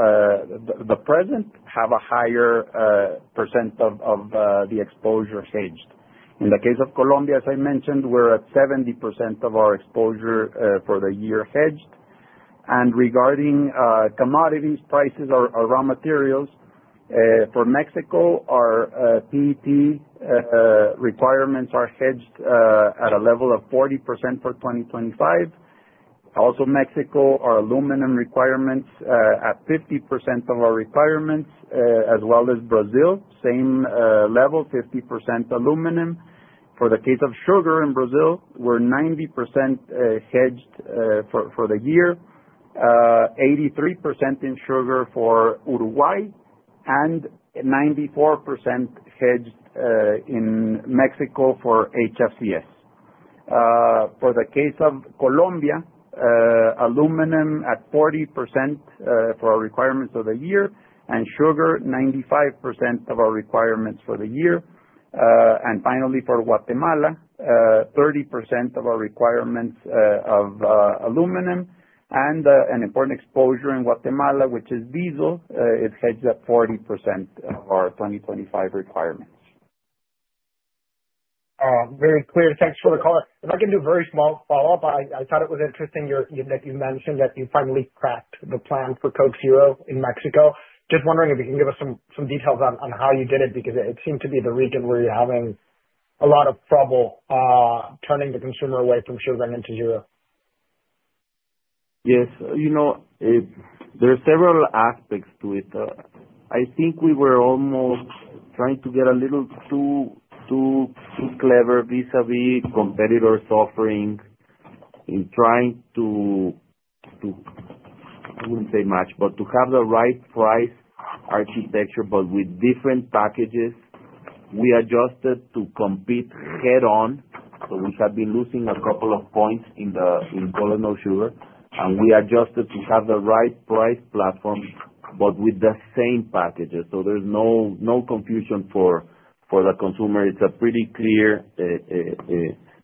D: the present have a higher percent of the exposure hedged. In the case of Colombia, as I mentioned, we're at 70% of our exposure for the year hedged. Regarding commodities, prices or raw materials for Mexico, our PT requirements are hedged at a level of 40% for 2025. Also, Mexico, our aluminum requirements at 50% of our requirements, as well as Brazil, same level, 50% aluminum. For the case of sugar in Brazil, we're 90% hedged for the year, 83% in sugar for Uruguay, and 94% hedged in Mexico for HFCS. For the case of Colombia, aluminum at 40% for our requirements of the year, and sugar, 95% of our requirements for the year. Finally, for Guatemala, 30% of our requirements of aluminum. An important exposure in Guatemala, which is diesel, is hedged at 40% of our 2025 requirements.
H: Very clear. Thanks for the call. If I can do a very small follow-up, I thought it was interesting that you mentioned that you finally cracked the plan for Coke Zero in Mexico. Just wondering if you can give us some details on how you did it because it seemed to be the region where you're having a lot of trouble turning the consumer away from sugaring into zero.
C: Yes. There are several aspects to it. I think we were almost trying to get a little too clever vis-à-vis competitors' offerings in trying to, I wouldn't say much, but to have the right price architecture, but with different packages. We adjusted to compete head-on. So we had been losing a couple of points in Cola No Sugar, and we adjusted to have the right price platform, but with the same packages. So there's no confusion for the consumer. It's pretty clear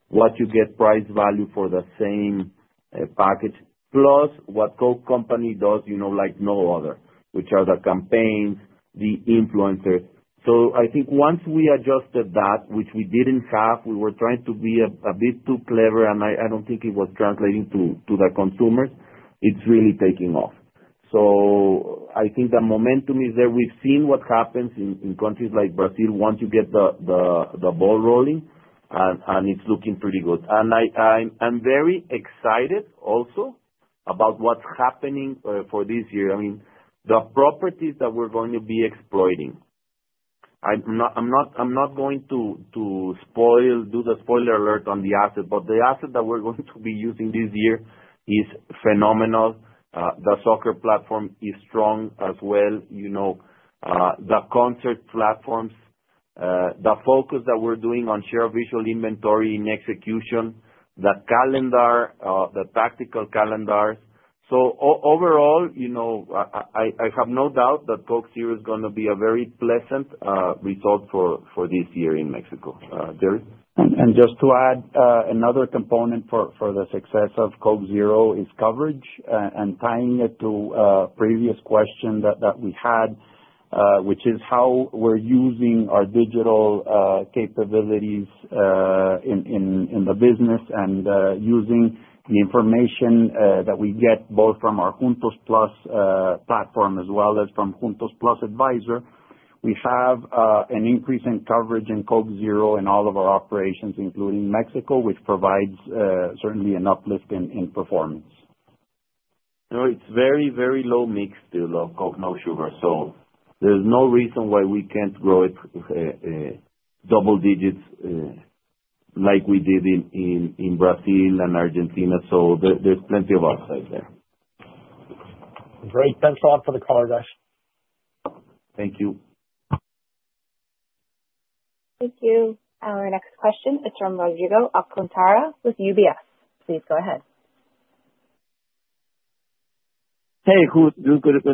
C: what you get price value for the same package. Plus, what Coke Company does like no other, which are the campaigns, the influencers. So I think once we adjusted that, which we didn't have, we were trying to be a bit too clever, and I don't think it was translating to the consumers. It's really taking off. So I think the momentum is there. We've seen what happens in countries like Brazil once you get the ball rolling, and it's looking pretty good. And I'm very excited also about what's happening for this year. I mean, the properties that we're going to be exploiting. I'm not going to do the spoiler alert on the asset, but the asset that we're going to be using this year is phenomenal. The soccer platform is strong as well. The concert platforms, the focus that we're doing on share of visual inventory in execution, the calendar, the tactical calendars. So overall, I have no doubt that Coke Zero is going to be a very pleasant result for this year in Mexico. Gerry?
D: And just to add, another component for the success of Coke Zero is coverage and tying it to a previous question that we had, which is how we're using our digital capabilities in the business and using the information that we get both from our Juntos+ platform as well as from Juntos+ Advisor. We have an increase in coverage in Coke Zero in all of our operations, including Mexico, which provides certainly an uplift in performance.
C: It's very, very low mix still of Coke No Sugar. So there's no reason why we can't grow it double digits like we did in Brazil and Argentina. So there's plenty of upside there.
H: Great. Thanks a lot for the call, guys.
C: Thank you.
A: Thank you. Our next question is from Rodrigo Alcantara with UBS. Please go ahead.
I: Hey, good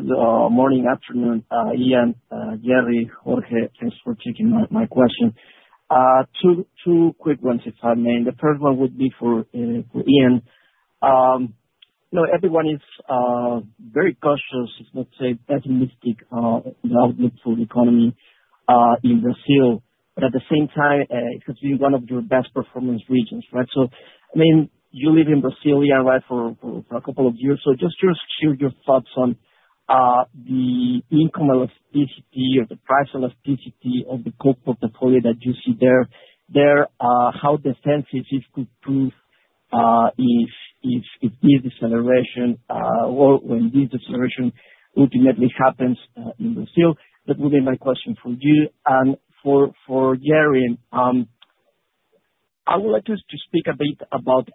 I: morning, afternoon, Ian, Gerry, Jorge. Thanks for taking my question. Two quick ones, if I may. The first one would be for Ian. Everyone is very cautious, let's say, pessimistic about the whole economy in Brazil. But at the same time, it has been one of your best performance regions, right? So I mean, you live in Brazil, Ian, right, for a couple of years. So just share your thoughts on the income elasticity or the price elasticity of the Coke portfolio that you see there, how defensive it could prove if this deceleration or when this deceleration ultimately happens in Brazil. That would be my question for you. And for Gerry, I would like us to speak a bit about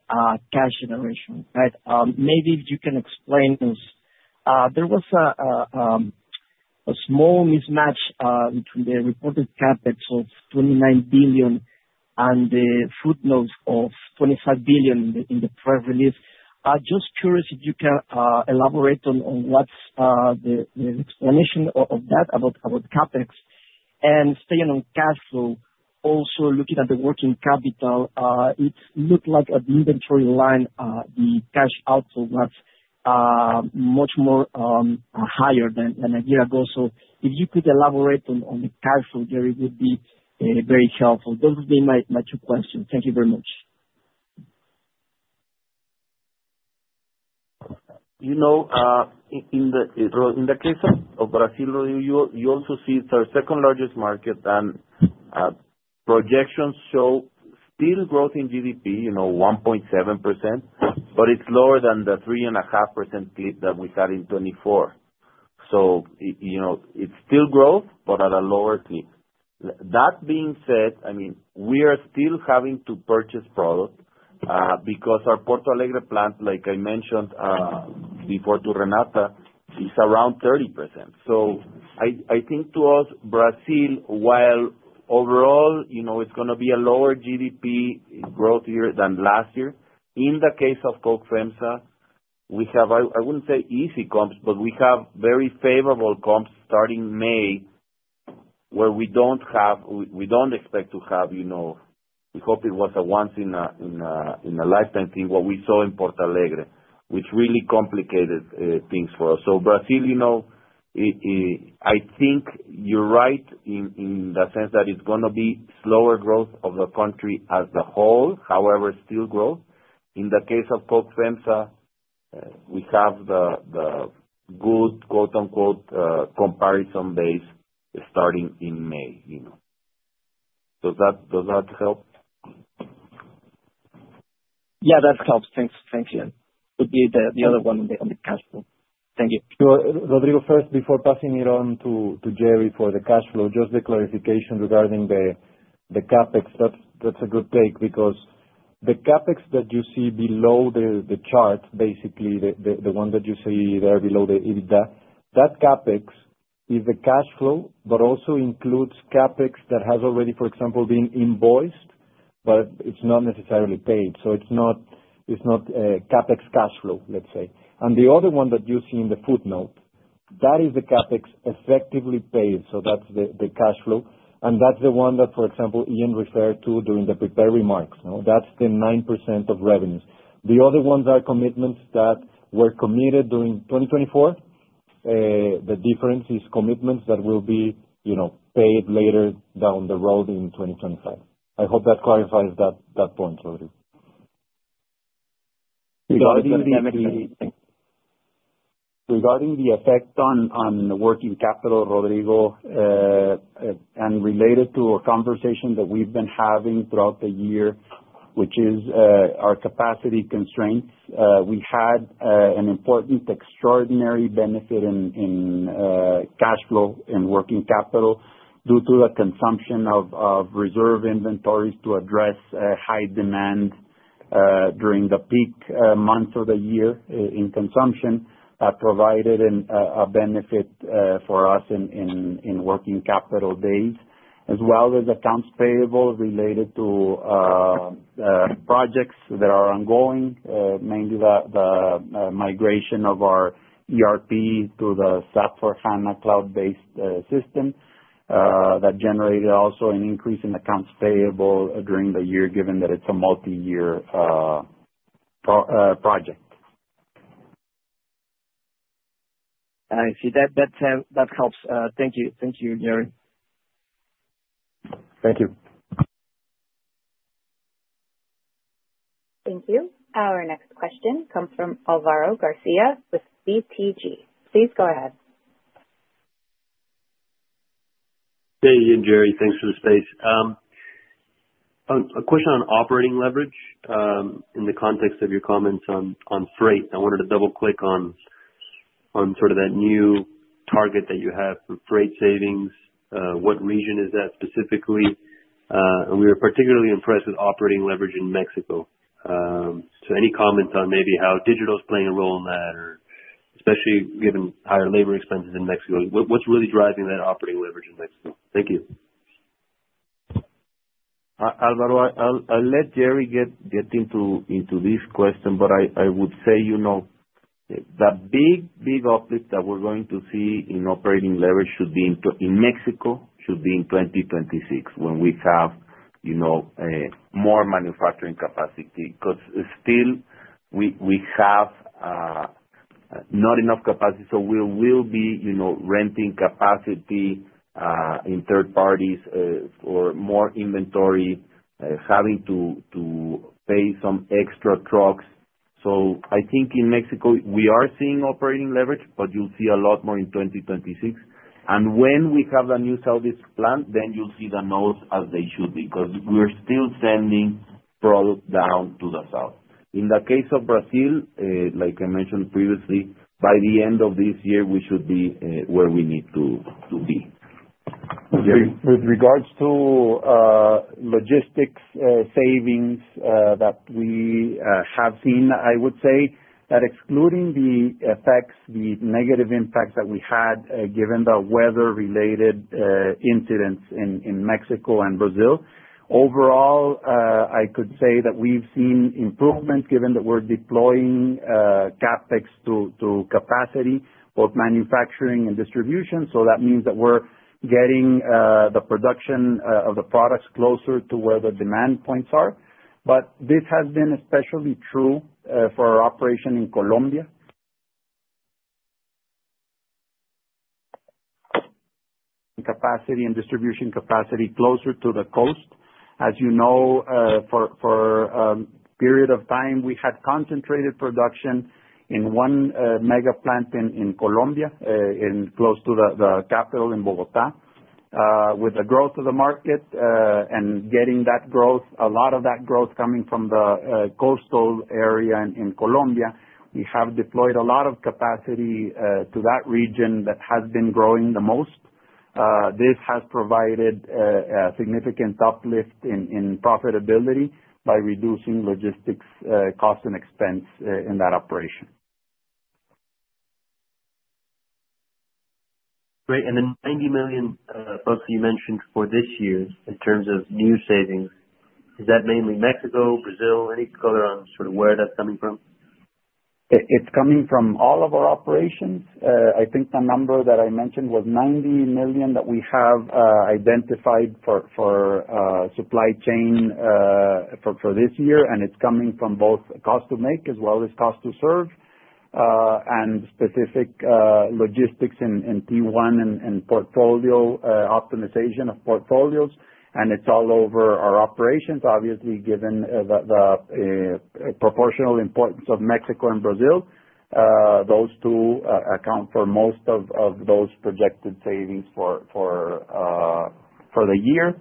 I: cash generation, right? Maybe if you can explain this. There was a small mismatch between the reported CapEx of 29 billion and the footnotes of 25 billion in the press release. Just curious if you can elaborate on what's the explanation of that about CapEx? And staying on cash flow, also looking at the working capital, it looked like an inventory line, the cash outflow was much more higher than a year ago. So if you could elaborate on the cash flow, Gerry, it would be very helpful. Those would be my two questions. Thank you very much.
C: In the case of Brazil, you also see it's our second largest market, and projections show still growth in GDP, 1.7%, but it's lower than the 3.5% clip that we had in 2024. So it's still growth, but at a lower clip. That being said, I mean, we are still having to purchase product because our Porto Alegre plant, like I mentioned before to Renata, is around 30%. So I think to us, Brazil, while overall it's going to be a lower GDP growth year than last year, in the case of Coke FEMSA, we have, I wouldn't say easy comps, but we have very favorable comps starting May where we don't expect to have, we hope it was a once-in-a-lifetime thing, what we saw in Porto Alegre, which really complicated things for us. So Brazil, I think you're right in the sense that it's going to be slower growth of the country as a whole, however, still growth. In the case of Coke FEMSA, we have the good, quote-unquote, comparison base starting in May. Does that help?
I: Yeah, that helps. Thank you. Would be the other one on the cash flow. Thank you.
B: Rodrigo, first, before passing it on to Gerry for the cash flow, just the clarification regarding the CapEx, that's a good take because the CapEx that you see below the chart, basically the one that you see there below the EBITDA, that CapEx is the cash flow, but also includes CapEx that has already, for example, been invoiced, but it's not necessarily paid. So it's not CapEx cash flow, let's say. And the other one that you see in the footnote, that is the CapEx effectively paid. So that's the cash flow. And that's the one that, for example, Ian referred to during the prepared remarks. That's the 9% of revenues. The other ones are commitments that were committed during 2024. The difference is commitments that will be paid later down the road in 2025. I hope that clarifies that point, Rodrigo.
D: Regarding the effect on the working capital, Rodrigo, and related to our conversation that we've been having throughout the year, which is our capacity constraints, we had an important extraordinary benefit in cash flow and working capital due to the consumption of reserve inventories to address high demand during the peak months of the year in consumption that provided a benefit for us in working capital days, as well as accounts payable related to projects that are ongoing, mainly the migration of our ERP to the SAP S/4HANA cloud-based system that generated also an increase in accounts payable during the year, given that it's a multi-year project.
I: I see. That helps. Thank you. Thank you, Gerry. Thank you.
A: Thank you. Our next question comes from Alvaro Garcia with BTG. Please go ahead.
J: Hey, Ian, Gerry, thanks for the space. A question on operating leverage in the context of your comments on freight. I wanted to double-click on sort of that new target that you have for freight savings. What region is that specifically? And we were particularly impressed with operating leverage in Mexico. So any comments on maybe how digital is playing a role in that, or especially given higher labor expenses in Mexico? What's really driving that operating leverage in Mexico? Thank you.
C: Alvaro, I'll let Gerry get into this question, but I would say the big, big uplift that we're going to see in operating leverage in Mexico should be in 2026 when we have more manufacturing capacity because still we have not enough capacity. So we will be renting capacity in third parties for more inventory, having to pay some extra trucks. So I think in Mexico, we are seeing operating leverage, but you'll see a lot more in 2026. And when we have the new Southeast plant, then you'll see the nodes as they should be because we're still sending product down to the south. In the case of Brazil, like I mentioned previously, by the end of this year, we should be where we need to be.
D: With regards to logistics savings that we have seen, I would say that excluding the effects, the negative impacts that we had given the weather-related incidents in Mexico and Brazil, overall, I could say that we've seen improvement given that we're deploying CapEx to capacity, both manufacturing and distribution. So that means that we're getting the production of the products closer to where the demand points are. But this has been especially true for our operation in Colombia. Capacity and distribution capacity closer to the coast. As you know, for a period of time, we had concentrated production in one mega plant in Colombia close to the capital in Bogotá. With the growth of the market and getting that growth, a lot of that growth coming from the coastal area in Colombia, we have deployed a lot of capacity to that region that has been growing the most. This has provided a significant uplift in profitability by reducing logistics cost and expense in that operation.
J: Great. And the 90 million that you mentioned for this year in terms of new savings, is that mainly Mexico, Brazil? Any color on sort of where that's coming from? It's coming from all of our operations.
D: I think the number that I mentioned was $90 million that we have identified for supply chain for this year, and it's coming from both cost to make as well as cost to serve and specific logistics and T1 and optimization of portfolios. And it's all over our operations, obviously, given the proportional importance of Mexico and Brazil. Those two account for most of those projected savings for the year.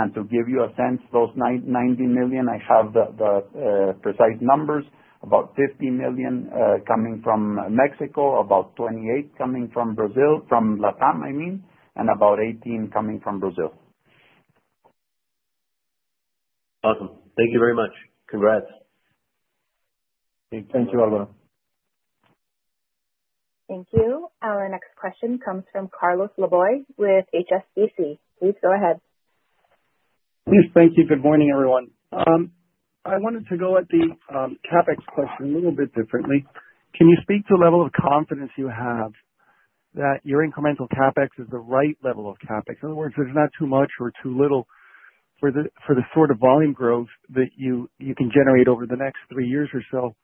D: And to give you a sense, those 90 million, I have the precise numbers, about $50 million coming from Mexico, about 28 million coming from Brazil, from LATAM, I mean, and about 18 million coming from Brazil.
J: Awesome. Thank you very much. Congrats.
D: Thank you, Alvaro.
J: Thank you. Our next question comes from Carlos Laboy with HSBC. Please go ahead. Please, thank you. Good morning, everyone. I wanted to go at the CapEx question a little bit differently.
K: Can you speak to the level of confidence you have that your incremental CapEx is the right level of CapEx? In other words, there's not too much or too little for the sort of volume growth that you can generate over the next three years or so.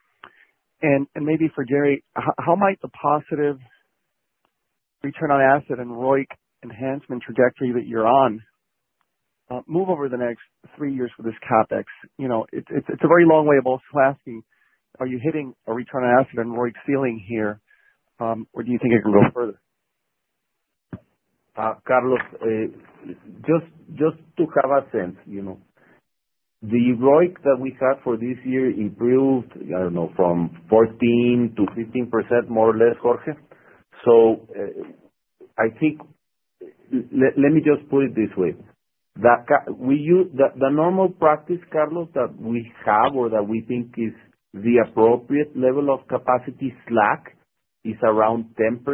K: And maybe for Gerry, how might the positive return on asset and ROIC enhancement trajectory that you're on move over the next three years for this CapEx? It's a very long way of also asking, are you hitting a return on asset and ROIC ceiling here, or do you think it can go further?
C: Carlos, just to have a sense, the ROIC that we have for this year improved, I don't know, from 14% to 15%, more or less, Jorge. So I think let me just put it this way. The normal practice, Carlos, that we have or that we think is the appropriate level of capacity slack is around 10%.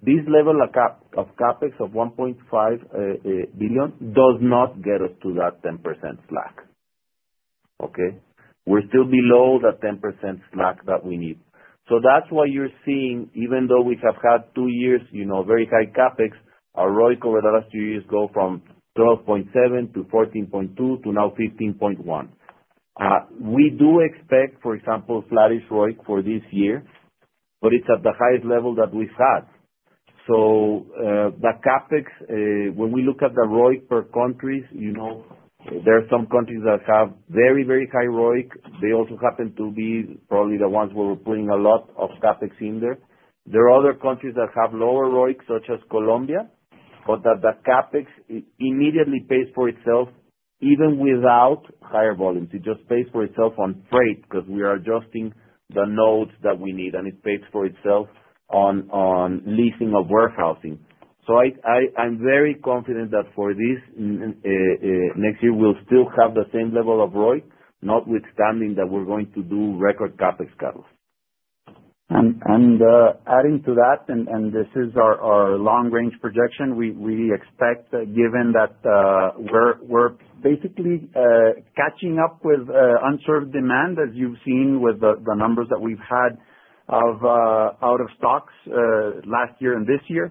C: This level of CapEx of 1.5 billion does not get us to that 10% slack. Okay? We're still below that 10% slack that we need. So that's why you're seeing, even though we have had two years of very high CapEx, our ROIC over the last two years go from 12.7% to 14.2% to now 15.1%. We do expect, for example, sliding ROIC for this year, but it's at the highest level that we've had. So the CapEx, when we look at the ROIC per countries, there are some countries that have very, very high ROIC. They also happen to be probably the ones where we're putting a lot of CapEx in there. There are other countries that have lower ROIC, such as Colombia, but the CapEx immediately pays for itself even without higher volumes. It just pays for itself on freight because we are adjusting the nodes that we need, and it pays for itself on leasing of warehousing. So I'm very confident that for this, next year, we'll still have the same level of ROIC, notwithstanding that we're going to do record CapEx, Carlos.
D: And adding to that, and this is our long-range projection, we expect, given that we're basically catching up with unserved demand, as you've seen with the numbers that we've had of out-of-stocks last year and this year.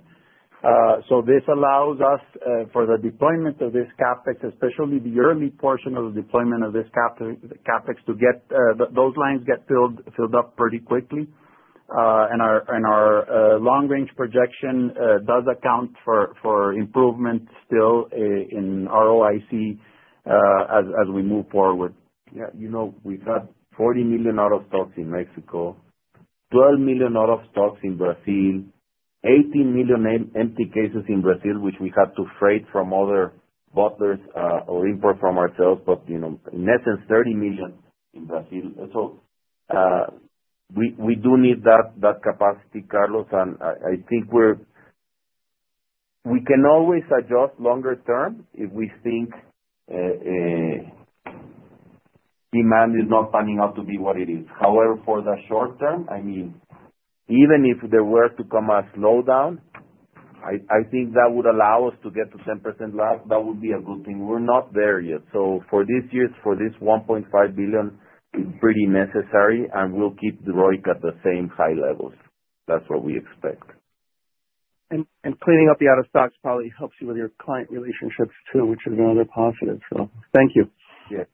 D: So this allows us, for the deployment of this CapEx, especially the early portion of the deployment of this CapEx, to get those lines filled up pretty quickly. Our long-range projection does account for improvement still in ROIC as we move forward.
C: Yeah. We've got 40 million out-of-stocks in Mexico, 12 million out-of-stocks in Brazil, 18 million empty cases in Brazil, which we have to freight from other bottlers or import from ourselves, but in essence, 30 million in Brazil. So we do need that capacity, Carlos, and I think we can always adjust longer term if we think demand is not panning out to be what it is. However, for the short term, I mean, even if there were to come a slowdown, I think that would allow us to get to 10% less. That would be a good thing. We're not there yet. So for this year, for this 1.5 billion, it's pretty necessary, and we'll keep the ROIC at the same high levels. That's what we expect.
K: And cleaning up the out-of-stocks probably helps you with your client relationships too, which is another positive. So thank you.
C: Yes.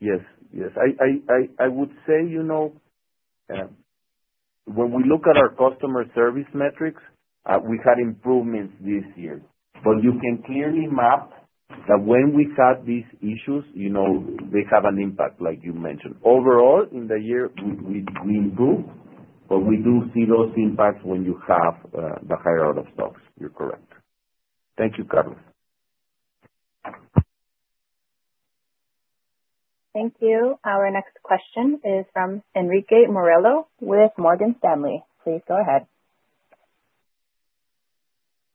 C: Yes. Yes. I would say when we look at our customer service metrics, we've had improvements this year. But you can clearly map that when we had these issues, they have an impact, like you mentioned. Overall, in the year, we improved, but we do see those impacts when you have the higher out-of-stocks. You're correct. Thank you, Carlos.
A: Thank you. Our next question is from Henrique Morello with Morgan Stanley. Please go ahead.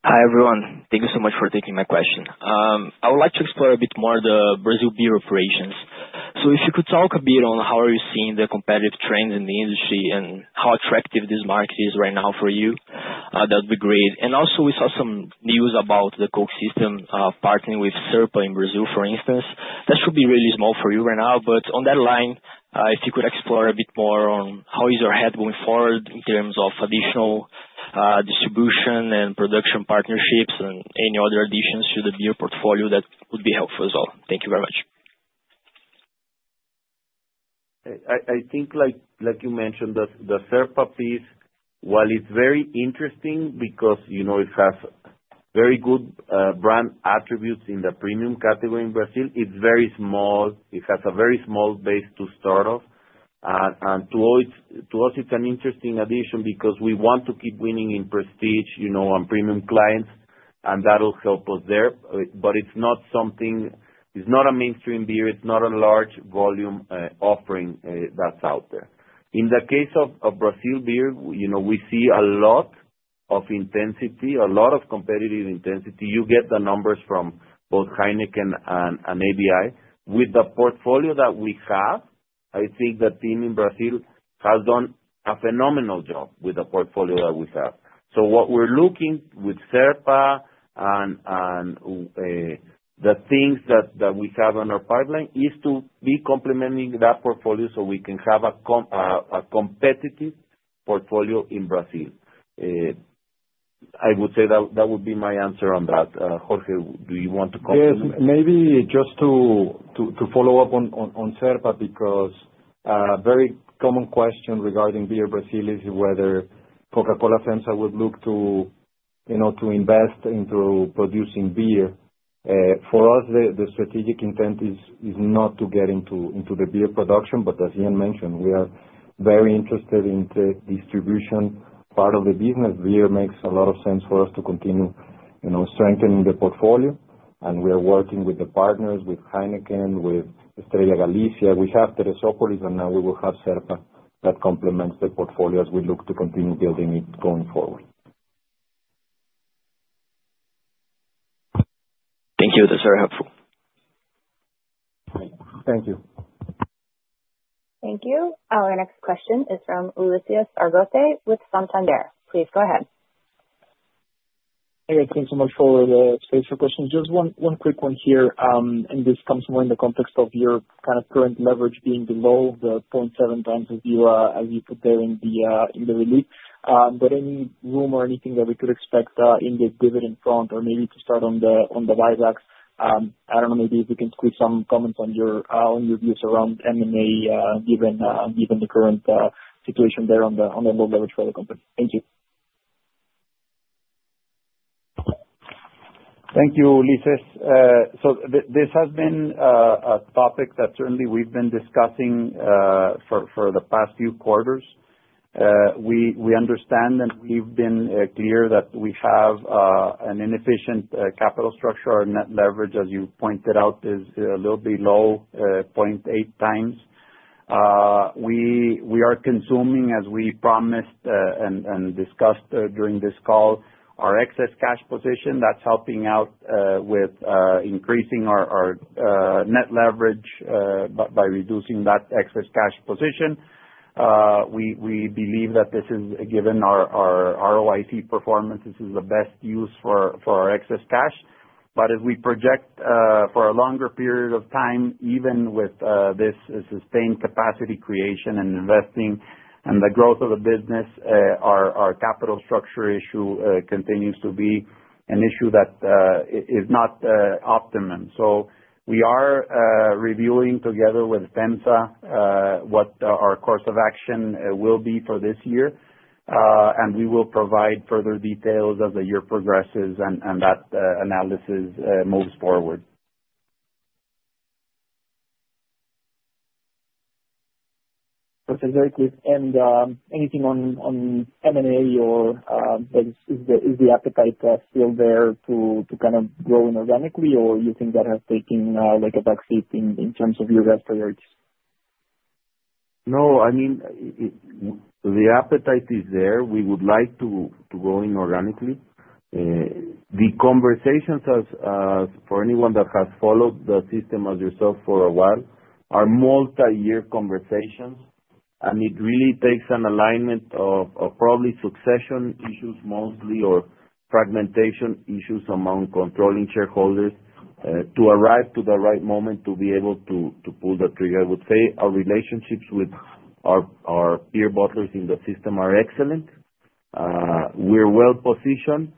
L: Hi, everyone. Thank you so much for taking my question. I would like to explore a bit more the Brazil beer operations. So if you could talk a bit on how are you seeing the competitive trends in the industry and how attractive this market is right now for you, that would be great. And also, we saw some news about the Coke system partnering with Cerpa in Brazil, for instance. That should be really small for you right now. But on that line, if you could explore a bit more on how you're heading moving forward in terms of additional distribution and production partnerships and any other additions to the beer portfolio, that would be helpful as well. Thank you very much.
C: I think, like you mentioned, the Cerpa piece, while it's very interesting because it has very good brand attributes in the premium category in Brazil, it's very small. It has a very small base to start off. And to us, it's an interesting addition because we want to keep winning in prestige on premium clients, and that'll help us there. But it's not something. It's not a mainstream beer. It's not a large volume offering that's out there. In the case of Brazil beer, we see a lot of intensity, a lot of competitive intensity. You get the numbers from both Heineken and ABI. With the portfolio that we have, I think the team in Brazil has done a phenomenal job with the portfolio that we have. So what we're looking with Cerpa and the things that we have on our pipeline is to be complementing that portfolio so we can have a competitive portfolio in Brazil. I would say that would be my answer on that. Jorge, do you want to complement?
B: Yes. Maybe just to follow up on Cerpa because a very common question regarding beer Brazil is whether Coca-Cola FEMSA would look to invest into producing beer. For us, the strategic intent is not to get into the beer production, but as Ian mentioned, we are very interested in the distribution part of the business. Beer makes a lot of sense for us to continue strengthening the portfolio. And we are working with the partners, with Heineken, with Estrella Galicia. We have Teresópolis, and now we will have Cerpa that complements the portfolio as we look to continue building it going forward.
L: Thank you. That's very helpful. Thank you.
A: Thank you. Our next question is from Ulises Argote with Santander. Please go ahead.
M: Hey, thank you so much for the space for questions. Just one quick one here. And this comes more in the context of your kind of current leverage being below the 0.7x as you put there in the release. But any room or anything that we could expect in the dividend front, or maybe to start on the buybacks? I don't know, maybe if we can squeeze some comments on your views around M&A, given the current situation there on the low leverage for the company. Thank you.
D: Thank you, Ulises. So this has been a topic that certainly we've been discussing for the past few quarters. We understand, and we've been clear that we have an inefficient capital structure. Our net leverage, as you pointed out, is a little bit low, 0.8x. We are consuming, as we promised and discussed during this call, our excess cash position. That's helping out with increasing our net leverage by reducing that excess cash position. We believe that this is, given our ROIC performance, this is the best use for our excess cash. But as we project for a longer period of time, even with this sustained capacity creation and investing and the growth of the business, our capital structure issue continues to be an issue that is not optimum. So we are reviewing together with FEMSA what our course of action will be for this year. And we will provide further details as the year progresses and that analysis moves forward.
M: That's very good. And anything on M&A or is the appetite still there to kind of grow inorganically, or you think that has taken a backseat in terms of your growth priorities?
C: No, I mean, the appetite is there. We would like to grow inorganically. The conversations, for anyone that has followed the system as yourself for a while, are multi-year conversations. It really takes an alignment of probably succession issues mostly or fragmentation issues among controlling shareholders to arrive to the right moment to be able to pull the trigger. I would say our relationships with our peer bottlers in the system are excellent. We're well-positioned.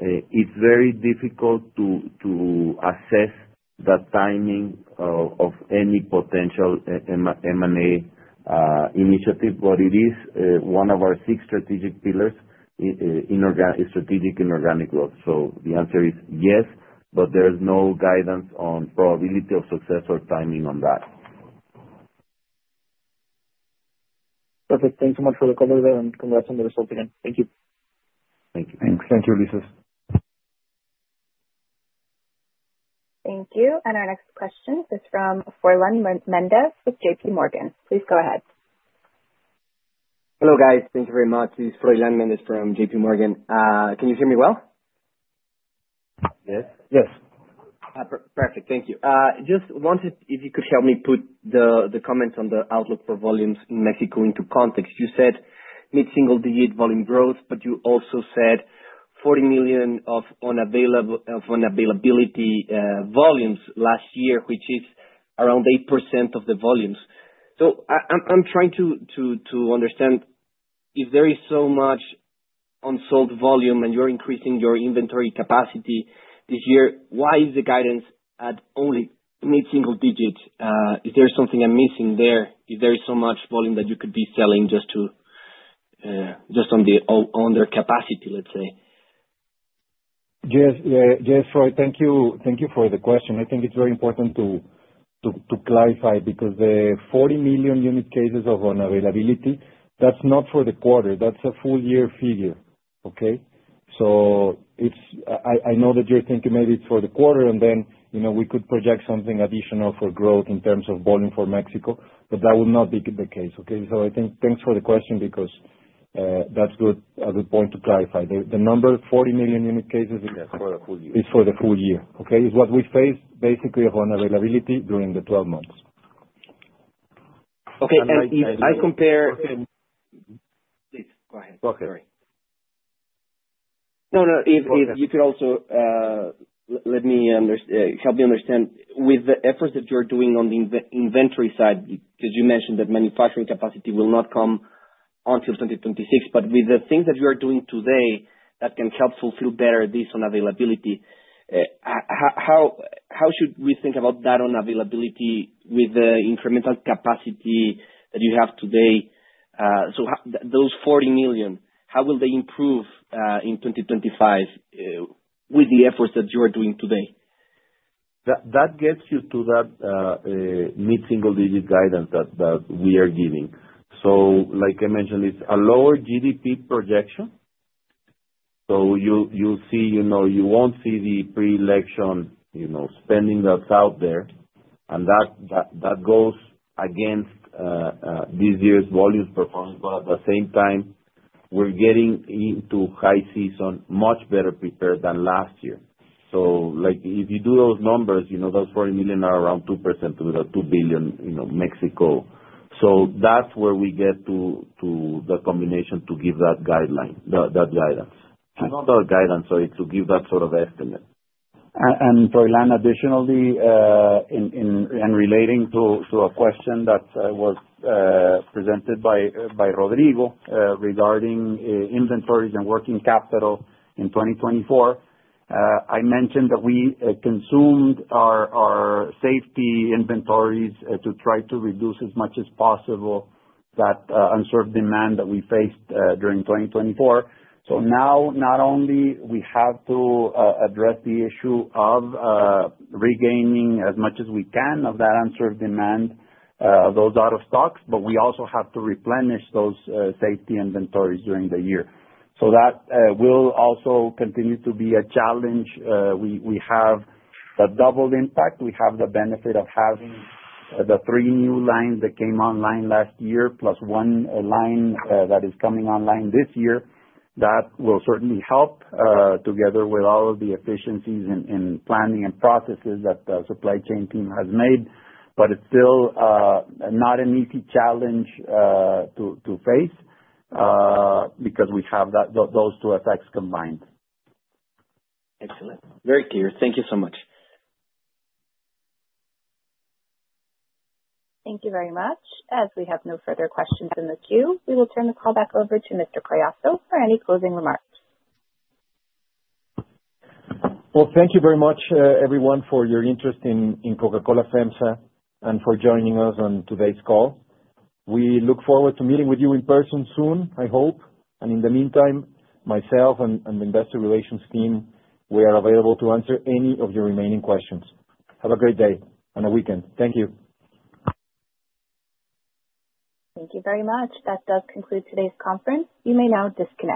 C: It's very difficult to assess the timing of any potential M&A initiative, but it is one of our six strategic pillars in strategic and organic growth. So the answer is yes, but there's no guidance on probability of success or timing on that.
M: Perfect. Thank you so much for the cover there, and congrats on the results again. Thank you.
B: Thank you.
C: Thanks.
D: Thank you, Ulises.
A: Thank you. And our next question is from Froylan Mendez with JPMorgan. Please go ahead. Hello, guys.
N: Thank you very much. This is Froylan Mendez from JPMorgan. Can you hear me well?
B: Yes. Yes.
N: Perfect. Thank you. Just wanted if you could help me put the comments on the outlook for volumes in Mexico into context. You said mid-single-digit volume growth, but you also said 40 million of unavailability volumes last year, which is around 8% of the volumes. So I'm trying to understand if there is so much unsold volume and you're increasing your inventory capacity this year, why is the guidance at only mid-single digits? Is there something I'm missing there? Is there so much volume that you could be selling just on their capacity, let's say?
B: Yes. Yes, Froy. Thank you for the question. I think it's very important to clarify because the 40 million unit cases of unavailability, that's not for the quarter. That's a full-year figure. Okay? So I know that you're thinking maybe it's for the quarter, and then we could project something additional for growth in terms of volume for Mexico, but that will not be the case. Okay? So I think thanks for the question because that's a good point to clarify. The number 40 million unit cases is for the full year. It's for the full year. Okay? It's what we faced, basically, of unavailability during the 12 months.
N: Okay. And if I compare.
B: Please, go ahead.
N: Sorry. No, no. If you could also help me understand with the efforts that you're doing on the inventory side, because you mentioned that manufacturing capacity will not come until 2026, but with the things that you are doing today that can help fulfill better this unavailability, how should we think about that unavailability with the incremental capacity that you have today? So those 40 million, how will they improve in 2025 with the efforts that you are doing today?
D: That gets you to that mid-single-digit guidance that we are giving. So like I mentioned, it's a lower GDP projection. So you'll see you won't see the pre-election spending that's out there. And that goes against this year's volume performance. But at the same time, we're getting into high season, much better prepared than last year. So if you do those numbers, those 40 million are around 2% to the 2 billion, Mexico. So that's where we get to the combination to give that guideline, that guidance. Not a guidance, sorry, to give that sort of estimate. Froylan, additionally, and relating to a question that was presented by Rodrigo regarding inventories and working capital in 2024, I mentioned that we consumed our safety inventories to try to reduce as much as possible that unserved demand that we faced during 2024. So now, not only do we have to address the issue of regaining as much as we can of that unserved demand, those out-of-stocks, but we also have to replenish those safety inventories during the year. So that will also continue to be a challenge. We have the double impact. We have the benefit of having the three new lines that came online last year, plus one line that is coming online this year. That will certainly help together with all of the efficiencies in planning and processes that the supply chain team has made. But it's still not an easy challenge to face because we have those two effects combined.
N: Excellent. Very clear. Thank you so much.
A: Thank you very much. As we have no further questions in the queue, we will turn the call back over to Mr. Collazo for any closing remarks.
B: Well, thank you very much, everyone, for your interest in Coca-Cola FEMSA and for joining us on today's call. We look forward to meeting with you in person soon, I hope. And in the meantime, myself and the investor relations team, we are available to answer any of your remaining questions. Have a great day and a weekend. Thank you.
A: Thank you very much. That does conclude today's conference. You may now disconnect.